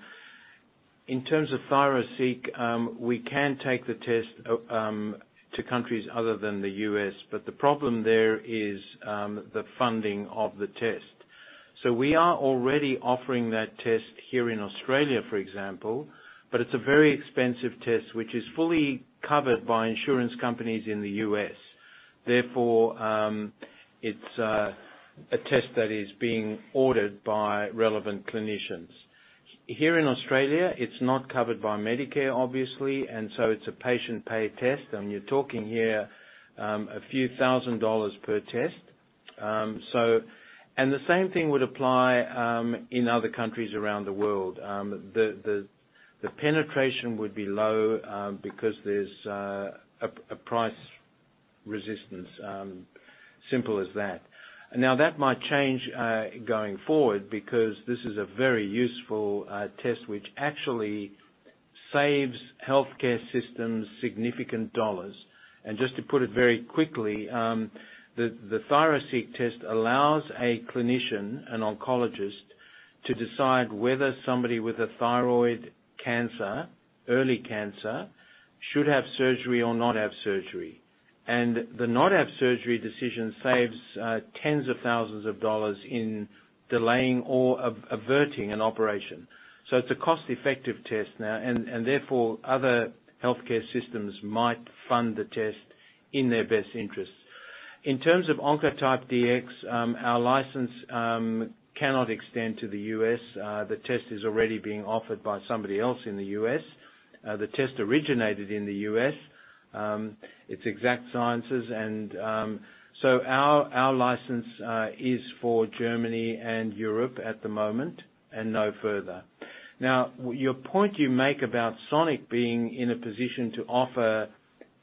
In terms of ThyroSeq, we can take the test to countries other than the US, but the problem there is the funding of the test. We are already offering that test here in Australia, for example, but it's a very expensive test which is fully covered by insurance companies in the US. Therefore, it's a test that is being ordered by relevant clinicians. Here in Australia, it's not covered by Medicare, obviously, and it's a patient-paid test, and you're talking here AUD a few thousand dollars per test. The same thing would apply in other countries around the world. The penetration would be low because there's a price resistance, simple as that. Now, that might change, going forward because this is a very useful test which actually saves healthcare systems significant dollars. Just to put it very quickly, the ThyroSeq test allows a clinician, an oncologist, to decide whether somebody with a thyroid cancer, early cancer, should have surgery or not have surgery. The not have surgery decision saves $ tens of thousands in delaying or averting an operation. It's a cost-effective test now, and therefore, other healthcare systems might fund the test in their best interest. In terms of Oncotype DX, our license, cannot extend to the U.S. The test is already being offered by somebody else in the U.S. The test originated in the U.S. It's Exact Sciences and so our license is for Germany and Europe at the moment and no further. Now, your point you make about Sonic being in a position to offer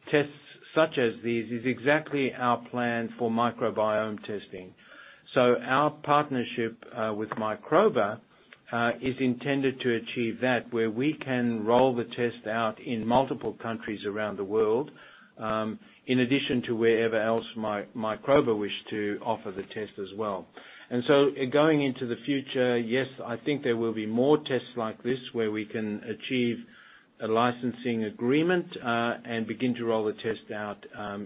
tests such as these is exactly our plan for microbiome testing. Our partnership with Microba is intended to achieve that, where we can roll the test out in multiple countries around the world, in addition to wherever else Microba wish to offer the test as well. Going into the future, yes, I think there will be more tests like this where we can achieve a licensing agreement and begin to roll the test out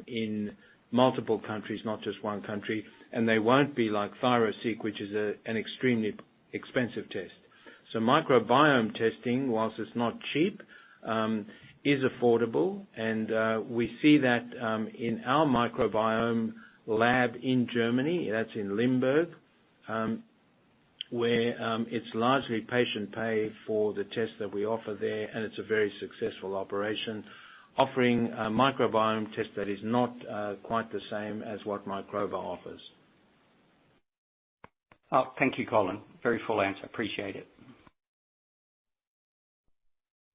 in multiple countries, not just one country. They won't be like ThyroSeq, which is an extremely expensive test. Microbiome testing, whilst it's not cheap, is affordable, and we see that in our microbiome lab in Germany, that's in Limburg, where it's largely patient pay for the test that we offer there, and it's a very successful operation offering a microbiome test that is not quite the same as what Microba offers. Thank you, Colin. Very full answer. Appreciate it.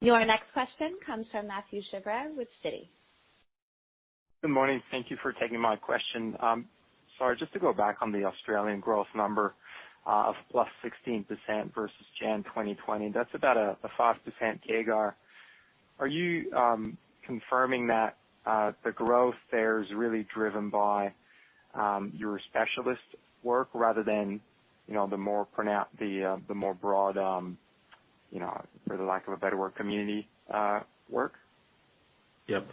Your next question comes from Mathieu Chevrier with Citi. Good morning. Thank you for taking my question. Sorry, just to go back on the Australian growth number, of +16% versus January 2020, that's about a 5% CAGR. Are you confirming that the growth there is really driven by your specialist work rather than, you know, the more broad, you know, for the lack of a better word, community work? Yep.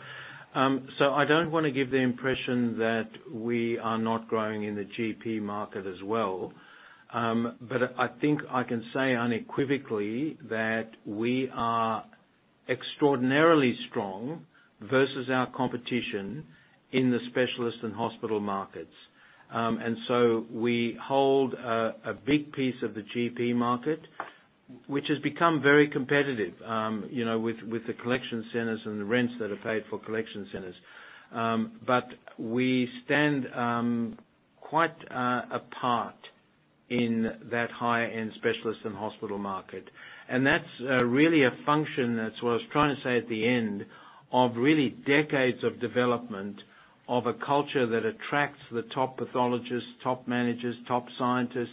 I don't wanna give the impression that we are not growing in the GP market as well. I think I can say unequivocally that we are extraordinarily strong versus our competition in the specialist and hospital markets. We hold a big piece of the GP market, which has become very competitive, you know, with the collection centers and the rents that are paid for collection centers. We stand quite apart in that high-end specialist and hospital market. That's really a function, that's what I was trying to say at the end, of really decades of development of a culture that attracts the top pathologists, top managers, top scientists,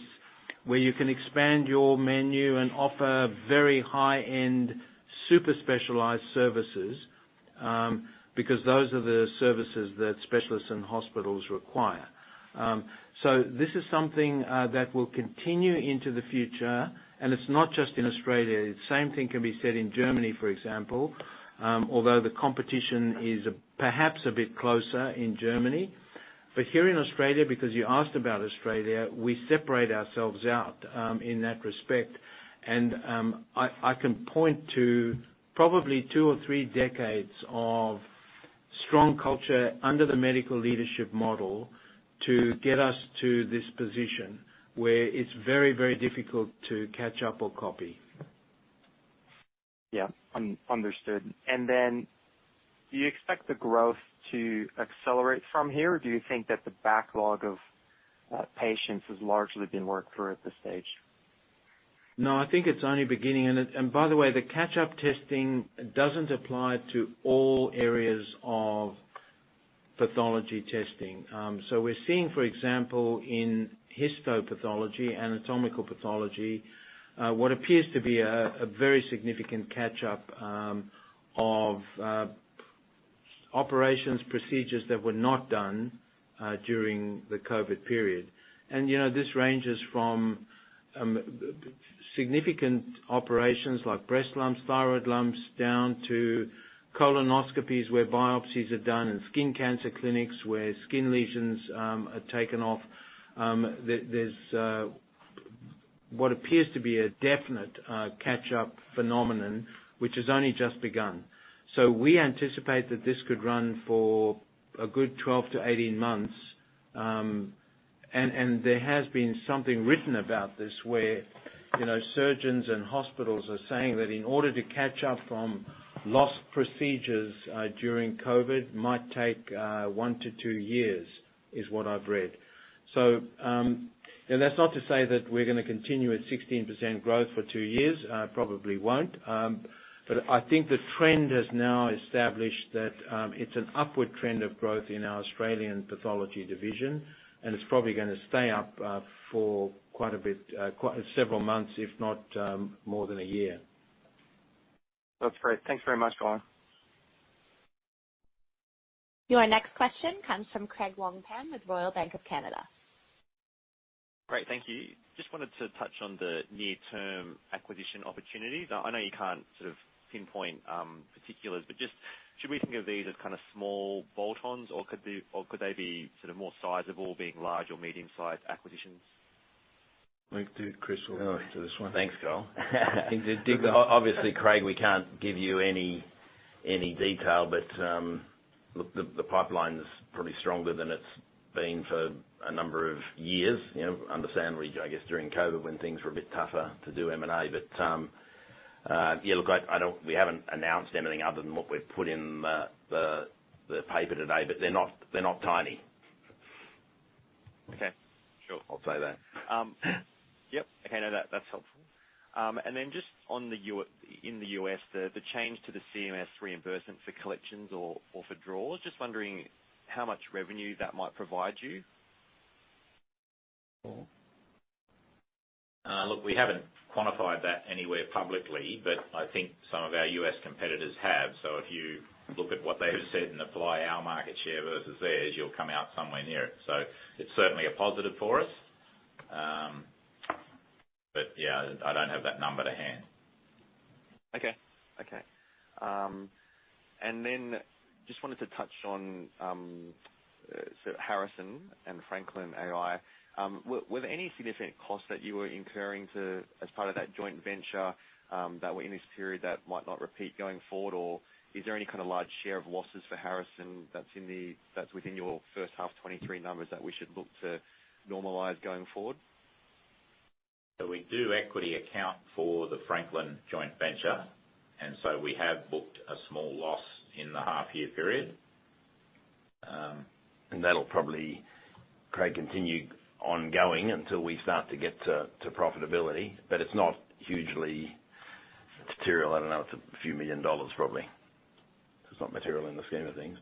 where you can expand your menu and offer very high-end, super specialized services, because those are the services that specialists and hospitals require. This is something that will continue into the future, and it's not just in Australia. The same thing can be said in Germany, for example. Although the competition is perhaps a bit closer in Germany. Here in Australia, because you asked about Australia, we separate ourselves out in that respect. I can point to probably two or three decades of strong culture under the medical leadership model to get us to this position where it's very, very difficult to catch up or copy. Yeah. Understood. Then do you expect the growth to accelerate from here, or do you think that the backlog of patients has largely been worked through at this stage? No, I think it's only beginning. By the way, the catch-up testing doesn't apply to all areas of pathology testing. We're seeing, for example, in histopathology, anatomical pathology, what appears to be a very significant catch-up of operations, procedures that were not done during the COVID period. You know, this ranges from significant operations like breast lumps, thyroid lumps, down to colonoscopies, where biopsies are done, in skin cancer clinics, where skin lesions are taken off. There, there's what appears to be a definite catch-up phenomenon, which has only just begun. We anticipate that this could run for a good 12 to 18 months. There has been something written about this where, you know, surgeons and hospitals are saying that in order to catch up from lost procedures, during COVID might take, one to two years, is what I've read. That's not to say that we're gonna continue at 16% growth for two years, probably won't. I think the trend has now established that, it's an upward trend of growth in our Australian pathology division, and it's probably gonna stay up, for quite a bit, quite several months, if not, more than a year. That's great. Thanks very much, Colin. Your next question comes from Craig Wong-Pan with Royal Bank of Canada. Great. Thank you. Just wanted to touch on the near-term acquisition opportunities. I know you can't sort of pinpoint particulars, but just should we think of these as kinda small bolt-ons, or could they be sort of more sizable, being large or medium-sized acquisitions? I think, dude, Chris will answer this one. Thanks, Colin. To dig, obviously, Craig, we can't give you any detail, but look, the pipeline is probably stronger than it's been for a number of years, you know, understandably, I guess, during COVID when things were a bit tougher to do M&A. Yeah, look, I don't We haven't announced anything other than what we've put in the paper today, but they're not tiny. Okay. Sure. I'll say that. Yep. Okay. No, that's helpful. Just in the U.S., the change to the CMS reimbursement for collections or for draws, just wondering how much revenue that might provide you? Paul? Look, we haven't quantified that anywhere publicly, but I think some of our U.S. competitors have. If you look at what they have said and apply our market share versus theirs, you'll come out somewhere near it. It's certainly a positive for us. Yeah, I don't have that number to hand. Okay. Okay. Just wanted to touch on, so Harrison and Franklin AI. Were there any significant costs that you were incurring to, as part of that joint venture, that were in this period that might not repeat going forward? Is there any kind of large share of losses for Harrison that's in the, that's within your first half 2023 numbers that we should look to normalize going forward? We do equity account for the Franklin joint venture, we have booked a small loss in the half year period. That'll probably, Craig, continue ongoing until we start to get to profitability. It's not hugely material. I don't know, it's a few million dollars probably. It's not material in the scheme of things.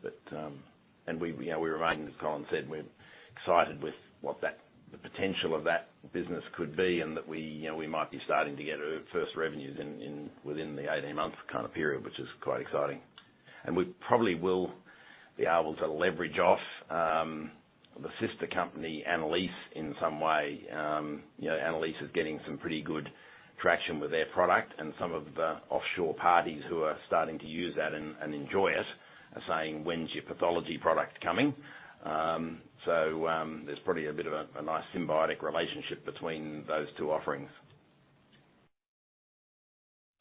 We, you know, we remain, as Colin said, we're excited with what the potential of that business could be, and that we, you know, we might be starting to get first revenues within the 18 month kind of period, which is quite exciting. We probably will be able to leverage off the sister company, Annalise, in some way. you know, annalise.ai is getting some pretty good traction with their product and some of the offshore parties who are starting to use that and enjoy it are saying, "When's your pathology product coming?" There's probably a bit of a nice symbiotic relationship between those two offerings.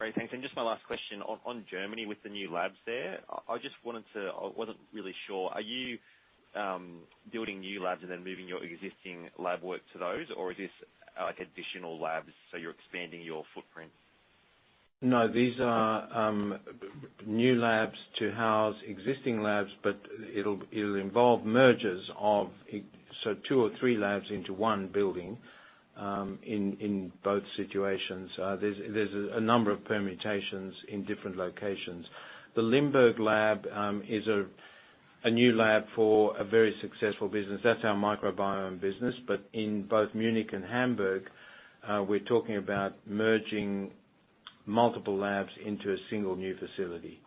Great. Thanks. Just my last question on Germany with the new labs there, I wasn't really sure, are you building new labs and then moving your existing lab work to those, or is this like additional labs, so you're expanding your footprint? No, these are new labs to house existing labs, but it'll involve mergers of two or three labs into one building, in both situations. There's a number of permutations in different locations. The Limburg lab is a new lab for a very successful business. That's our microbiome business. In both Munich and Hamburg, we're talking about merging multiple labs into a single new facility.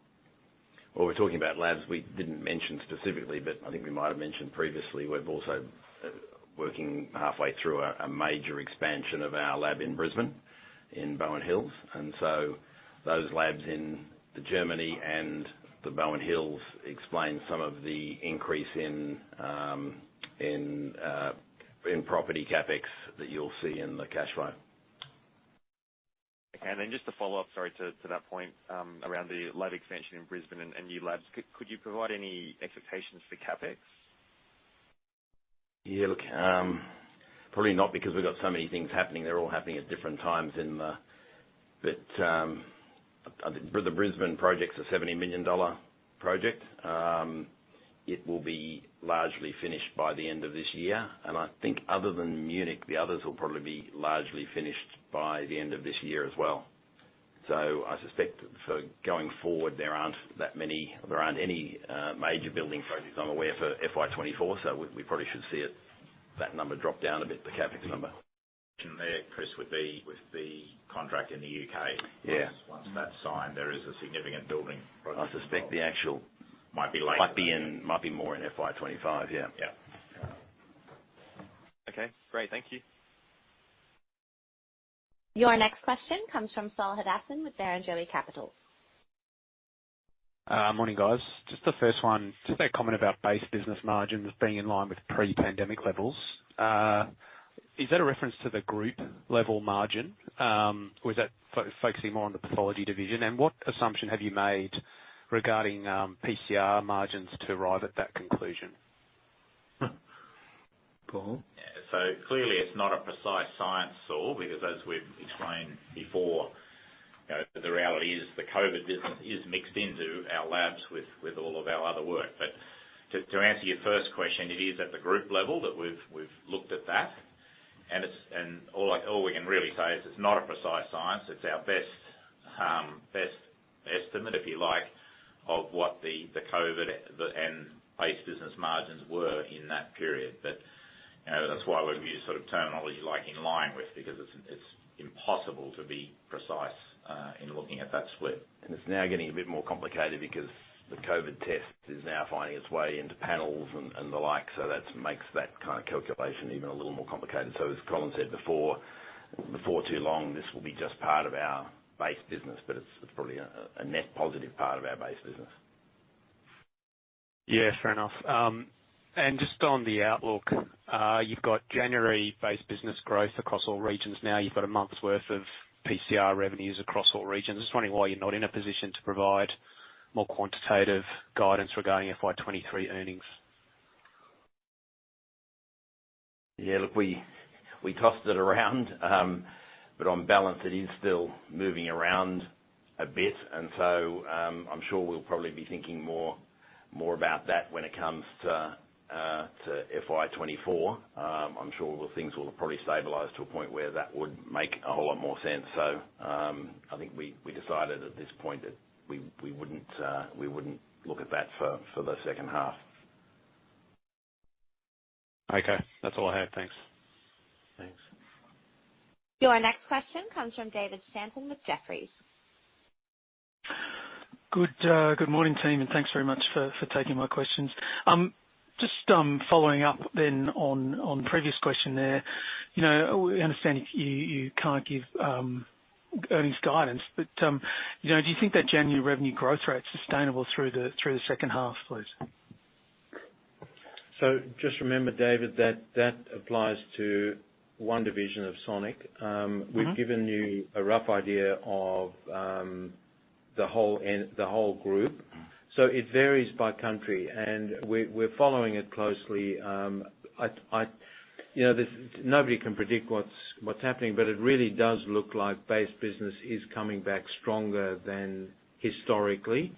We're talking about labs we didn't mention specifically, but I think we might have mentioned previously, we're also working halfway through a major expansion of our lab in Brisbane, in Bowen Hills. Those labs in the Germany and the Bowen Hills explain some of the increase in property CapEx that you'll see in the cash flow. Okay. Then just to follow up, sorry to that point, around the lab expansion in Brisbane and new labs. Could you provide any expectations for CapEx? Look, probably not because we've got so many things happening. They're all happening at different times. I think for the Brisbane project, it's an 70 million dollar project. It will be largely finished by the end of this year. I think other than Munich, the others will probably be largely finished by the end of this year as well. I suspect for going forward, there aren't any major building projects I'm aware of for FY 2024, so we probably should see that number drop down a bit, the CapEx number. Chris, with the contract in the U.K. Yeah. Once that's signed, there is a significant building project. I suspect the actual- Might be later. Might be in, might be more in FY 2025, yeah. Yeah. Okay, great. Thank you. Your next question comes from Saul Hadassin with Barrenjoey Capital. Morning, guys. Just the first one, just that comment about base business margins being in line with pre-pandemic levels. Is that a reference to the group level margin? Or is that focusing more on the pathology division? What assumption have you made regarding PCR margins to arrive at that conclusion? Colin? Clearly it's not a precise science, Saul, because as we've explained before, you know, the reality is the COVID business is mixed into our labs with all of our other work. To answer your first question, it is at the group level that we've looked at that. All we can really say is it's not a precise science. It's our best estimate, if you like, of what the COVID and base business margins were in that period. You know, that's why we've used sort of terminology like in line with, because it's impossible to be precise in looking at that split. It's now getting a bit more complicated because the COVID test is now finding its way into panels and the like. That's makes that kind of calculation even a little more complicated. As Colin said before too long, this will be just part of our base business, but it's probably a net positive part of our base business. Yeah, fair enough. Just on the outlook, you've got January base business growth across all regions. Now you've got a month's worth of PCR revenues across all regions. Just wondering why you're not in a position to provide more quantitative guidance regarding FY 2023 earnings? Look, we tossed it around, but on balance, it is still moving around a bit. I'm sure we'll probably be thinking more about that when it comes to FY 2024. I'm sure things will probably stabilize to a point where that would make a whole lot more sense. I think we decided at this point that we wouldn't look at that for the second half. Okay. That's all I have. Thanks. Thanks. Your next question comes from David Stanton with Jefferies. Good morning, team, and thanks very much for taking my questions. Just following up then on the previous question there. You know, we understand you can't give earnings guidance, but you know, do you think that January revenue growth rate is sustainable through the second half, please? Just remember, David, that that applies to one division of Sonic. Mm-hmm. we've given you a rough idea of, the whole end, the whole group. It varies by country, and we're following it closely. You know, there's nobody can predict what's happening, but it really does look like base business is coming back stronger than historically,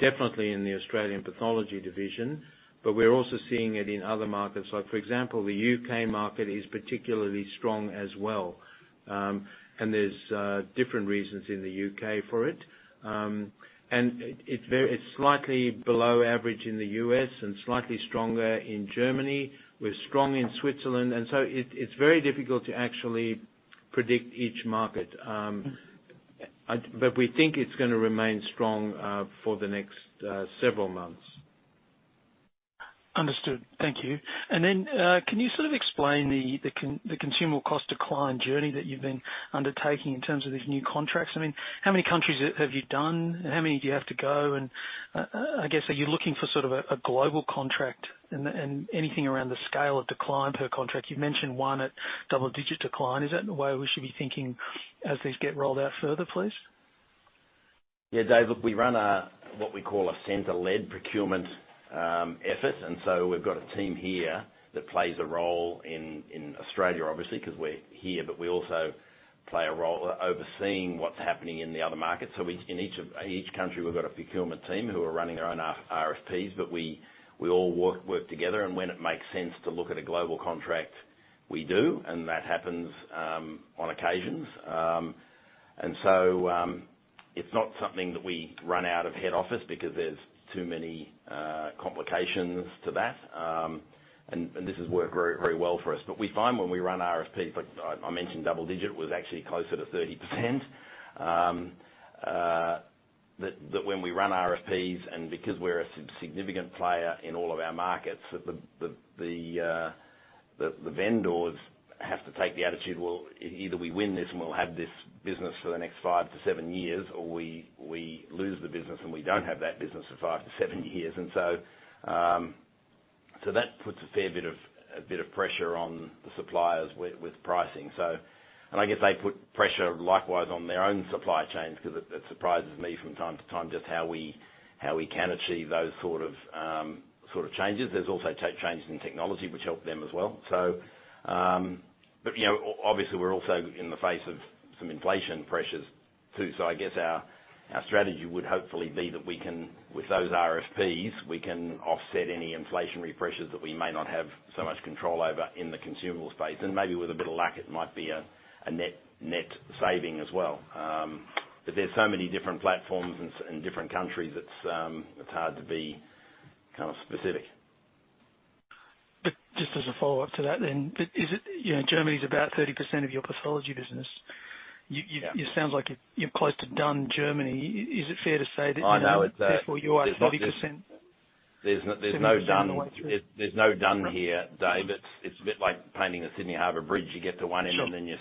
definitely in the Australian pathology division. We're also seeing it in other markets. Like for example, the U.K. market is particularly strong as well. There's different reasons in the U.K. for it. It's slightly below average in the U.S. and slightly stronger in Germany. We're strong in Switzerland. It's very difficult to actually predict each market. We think it's gonna remain strong for the next several months. Understood. Thank you. Then, can you sort of explain the consumable cost decline journey that you've been undertaking in terms of these new contracts? I mean, how many countries have you done? How many do you have to go? I guess, are you looking for sort of a global contract and anything around the scale of decline per contract? You've mentioned one at double digit decline. Is that the way we should be thinking as these get rolled out further, please? Yeah, David, we run a, what we call a center-led procurement effort. We've got a team here that plays a role in Australia, obviously, because we're here, but we also play a role overseeing what's happening in the other markets. In each country, we've got a procurement team who are running their own RSPs, but we all work together. When it makes sense to look at a global contract, we do, and that happens on occasions. It's not something that we run out of head office because there's too many complications to that. And this has worked very, very well for us. We find when we run RFPs, like I mentioned double digit was actually closer to 30%, that when we run RFPs and because we're a significant player in all of our markets, that the vendors have to take the attitude, well, either we win this and we'll have this business for the next five to seven years, or we lose the business and we don't have that business for five to seven years. So that puts a fair bit of pressure on the suppliers with pricing. I guess they put pressure likewise on their own supply chains because it surprises me from time to time just how we can achieve those sort of changes. There's also changes in technology which help them as well. You know, obviously, we're also in the face of some inflation pressures too. I guess our strategy would hopefully be that we can, with those RFPs, we can offset any inflationary pressures that we may not have so much control over in the consumable space. Maybe with a bit of luck, it might be a net saving as well. But there's so many different platforms in different countries, it's hard to be kind of specific. Just as a follow-up to that then, is it, you know, Germany's about 30% of your pathology business? Yeah. You sound like you're close to done Germany. Is it fair to say that, you know? I know it's, therefore you are 30%. There's not, There's no done here, Dave. It's a bit like painting the Sydney Harbor Bridge. You get to one end. Sure Then you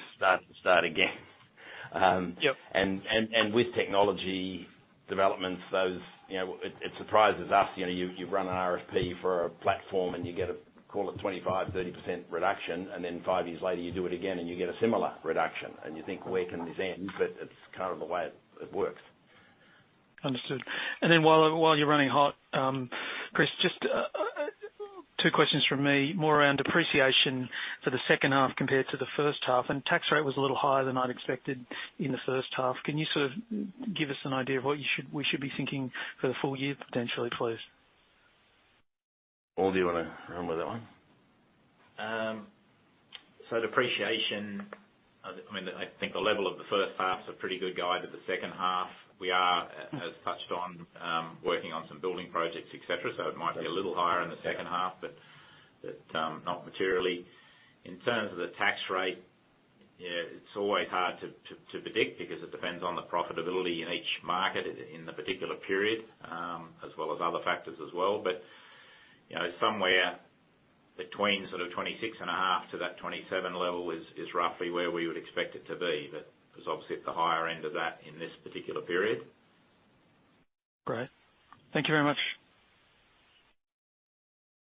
start again. Yep. With technology developments, those, you know, it surprises us. You know, you run an RFP for a platform, and you get a, call it 25%, 30% reduction, and then five years later you do it again and you get a similar reduction, and you think, "Where can this end?" It's kind of the way it works. Understood. While, while you're running hot, Chris, just, two questions from me, more around depreciation for the second half compared to the first half. Tax rate was a little higher than I'd expected in the first half. Can you sort of give us an idea of what you should, we should be thinking for the full year potentially, please? Paul, do you wanna run with that one? Depreciation, I mean, I think the level of the first half's a pretty good guide to the second half. We are, as touched on, working on some building projects, et cetera, it might be a little higher in the second half, but not materially. In terms of the tax rate, it's always hard to predict because it depends on the profitability in each market in the particular period, as well as other factors as well. You know, somewhere between sort of 26.5% to that 27% level is roughly where we would expect it to be. It was obviously at the higher end of that in this particular period. Great. Thank you very much.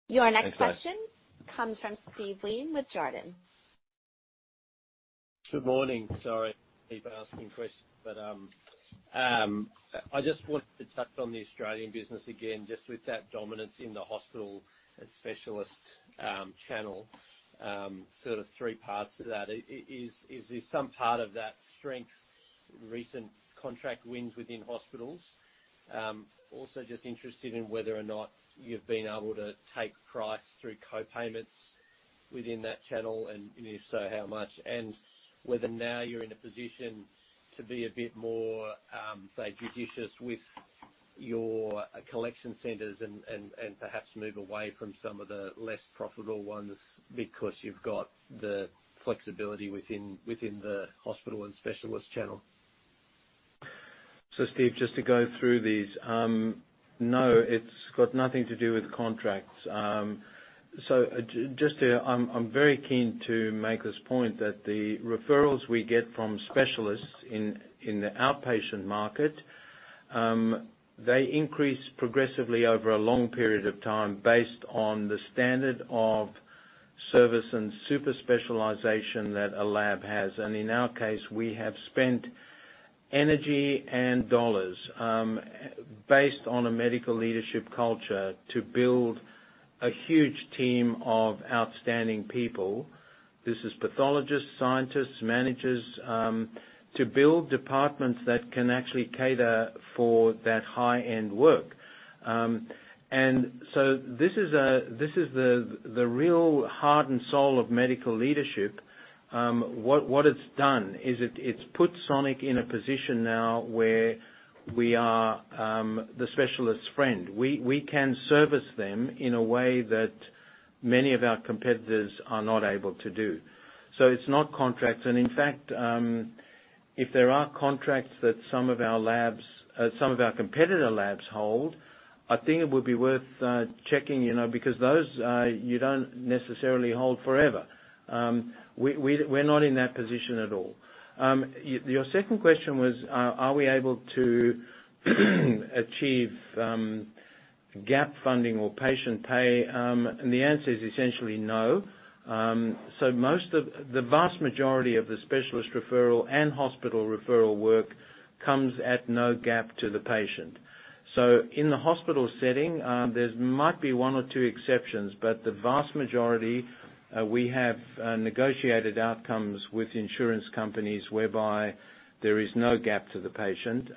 Thanks, Dave. Your next question comes from Steve Wheen with Jarden. Good morning. Sorry to keep asking questions. I just wanted to touch on the Australian business again, just with that dominance in the hospital and specialist channel. Sort of three parts to that. Is there some part of that strength recent contract wins within hospitals? Also just interested in whether or not you've been able to take price through co-payments within that channel and if so, how much? Whether now you're in a position to be a bit more, say judicious with your collection centers and perhaps move away from some of the less profitable ones because you've got the flexibility within the hospital and specialist channel. Steve, just to go through these, no, it's got nothing to do with contracts. just to, I'm very keen to make this point that the referrals we get from specialists in the outpatient market, they increase progressively over a long period of time based on the standard of service and super specialization that a lab has. In our case, we have spent energy and dollars, based on a medical leadership culture to build a huge team of outstanding people. This is pathologists, scientists, managers, to build departments that can actually cater for that high-end work. This is the real heart and soul of medical leadership. What it's done is it's put Sonic in a position now where we are, the specialist's friend. We can service them in a way that many of our competitors are not able to do. It's not contracts. In fact, if there are contracts that some of our competitor labs hold, I think it would be worth checking, you know, because those you don't necessarily hold forever. We're not in that position at all. Your second question was, are we able to achieve gap funding or patient pay? The answer is essentially no. The vast majority of the specialist referral and hospital referral work comes at no gap to the patient. In the hospital setting, there might be one or two exceptions, but the vast majority, we have negotiated outcomes with insurance companies whereby there is no gap to the patient.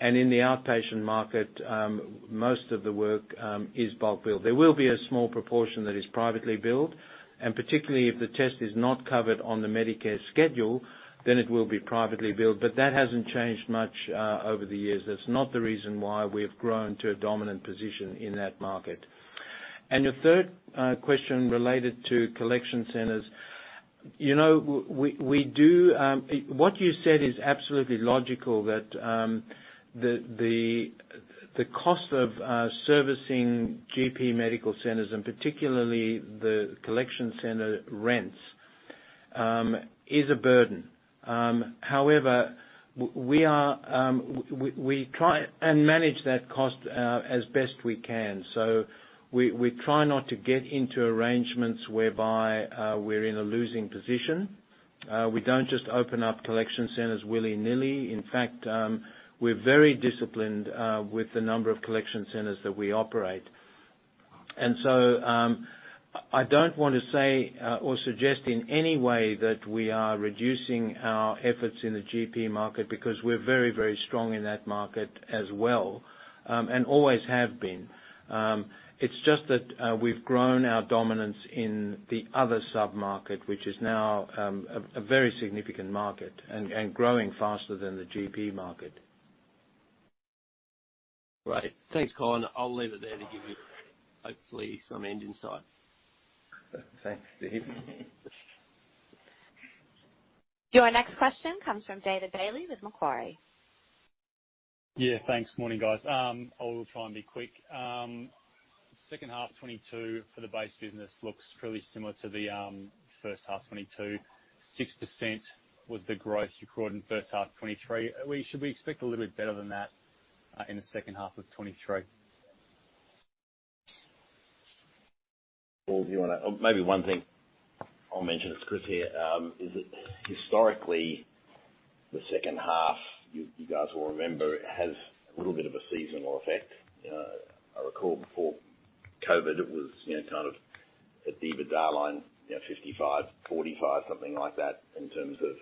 In the outpatient market, most of the work is bulk billed. There will be a small proportion that is privately billed, particularly if the test is not covered on the Medicare schedule, then it will be privately billed. That hasn't changed much over the years. That's not the reason why we have grown to a dominant position in that market. The third question related to collection centers. You know, we do what you said is absolutely logical that the cost of servicing GP medical centers and particularly the collection center rents is a burden. However, we are, we try and manage that cost as best we can. We try not to get into arrangements whereby we're in a losing position. We don't just open up collection centers willy-nilly. In fact, we're very disciplined with the number of collection centers that we operate. I don't want to say or suggest in any way that we are reducing our efforts in the GP market because we're very, very strong in that market as well, and always have been. It's just that we've grown our dominance in the other sub-market, which is now a very significant market and growing faster than the GP market. Thanks, Colin. I'll leave it there to give you hopefully some end insight. Thanks, Steve. Your next question comes from David Bailey with Macquarie. Yeah. Thanks. Morning, guys. I'll try and be quick. second half 2022 for the base business looks fairly similar to the first half 2022. 6% was the growth you grew in first half 2023. should we expect a little bit better than that in the second half of 2023? Paul, do you wanna. Maybe one thing I'll mention, it's Chris Wilks here, is that historically, the second half, you guys will remember, has a little bit of a seasonal effect. I recall before COVID, it was, you know, kind of at the EBITDA line, you know, 55%, 45%, something like that in terms of.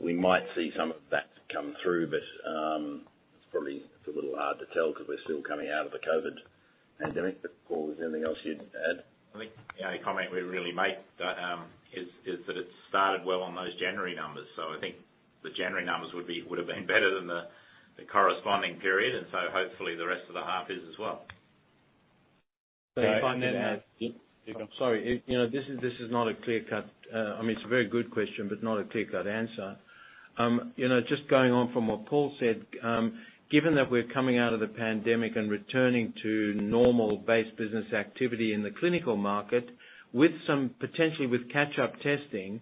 We might see some of that come through, but it's probably, it's a little hard to tell 'cause we're still coming out of the COVID pandemic. Paul, is there anything else you'd add? I think the only comment we'd really make, is that it started well on those January numbers. I think the January numbers would have been better than the corresponding period. Hopefully the rest of the half is as well. Sorry. If, you know, this is not a clear cut. I mean, it's a very good question, but not a clear cut answer. You know, just going on from what Paul said, given that we're coming out of the pandemic and returning to normal base business activity in the clinical market with some potentially with catch-up testing,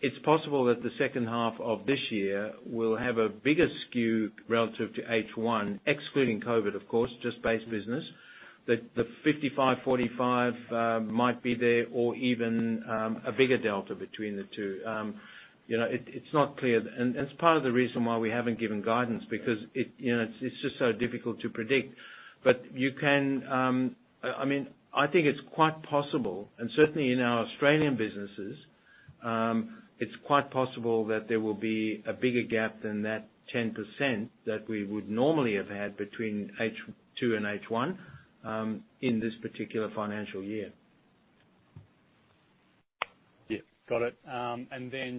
it's possible that the second half of this year will have a bigger skew relative to H1, excluding COVID of course, just base business. The 55/45 might be there or even a bigger delta between the two. It's not clear. That's part of the reason why we haven't given guidance because it, you know, it's just so difficult to predict. You can. I mean, I think it's quite possible, certainly in our Australian businesses, it's quite possible that there will be a bigger gap than that 10% that we would normally have had between H2 and H1 in this particular financial year. Yeah. Got it.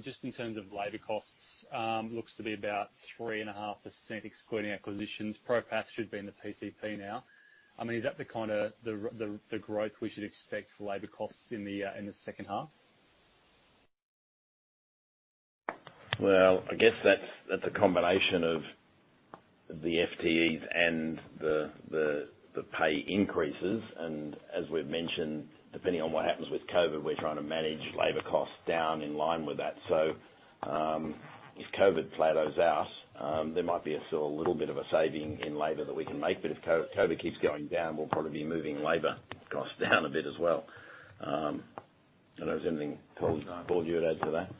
Just in terms of labor costs, looks to be about 3.5%, excluding acquisitions. ProPath should be in the PCP now. I mean, is that the kinda, the growth we should expect for labor costs in the second half? I guess that's a combination of the FTEs and the pay increases. As we've mentioned, depending on what happens with COVID, we're trying to manage labor costs down in line with that. If COVID plateaus out, there might be a still little bit of a saving in labor that we can make. If COVID keeps going down, we'll probably be moving labor costs down a bit as well. I don't know. Is there anything, Paul, you'd add to that?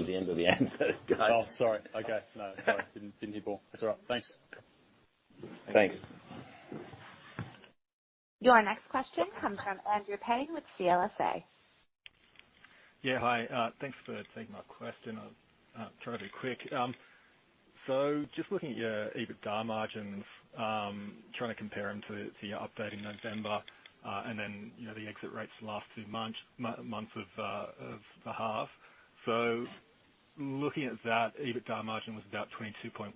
That was the end of the answer. Oh, sorry. Okay. No, sorry. Didn't hear Paul. It's all right. Thanks. Thanks. Your next question comes from Andrew Paine with CLSA. Yeah. Hi. Thanks for taking my question. I'll try to be quick. Just looking at your EBITDA margins, trying to compare them to your update in November, and then, you know, the exit rates the last two months of the half. Looking at that, EBITDA margin was about 22.1%,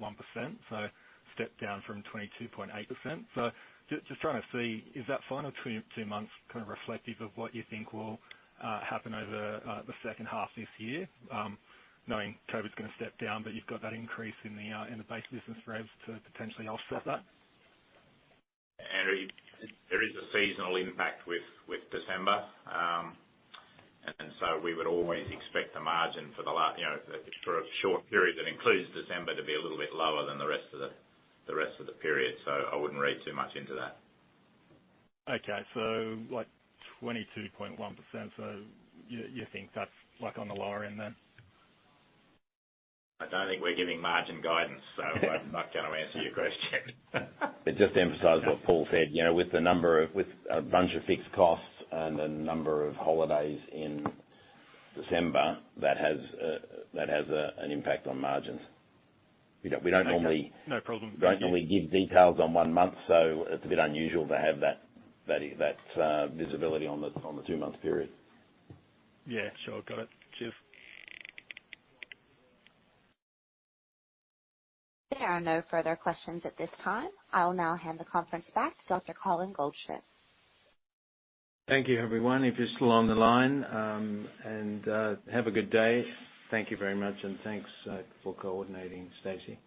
stepped down from 22.8%. Just trying to see, is that final two months kind of reflective of what you think will happen over the second half this year, knowing COVID's gonna step down, but you've got that increase in the in the base business revs to potentially offset that? Andrew, there is a seasonal impact with December. We would always expect the margin for the You know, for a short period that includes December to be a little bit lower than the rest of the period. I wouldn't read too much into that. Okay. like 22.1%. you think that's like on the lower end then? I don't think we're giving margin guidance, so I'm not gonna answer your question. Just to emphasize what Paul said. You know, with a bunch of fixed costs and a number of holidays in December, that has an impact on margins. We don't normally. Okay. No problem. Thank you. We don't normally give details on one month, so it's a bit unusual to have that visibility on the two-month period. Yeah, sure. Got it. Cheers. There are no further questions at this time. I'll now hand the conference back to Dr Colin Goldschmidt. Thank you, everyone, if you're still on the line. Have a good day. Thank you very much, and thanks, for coordinating, Stacy.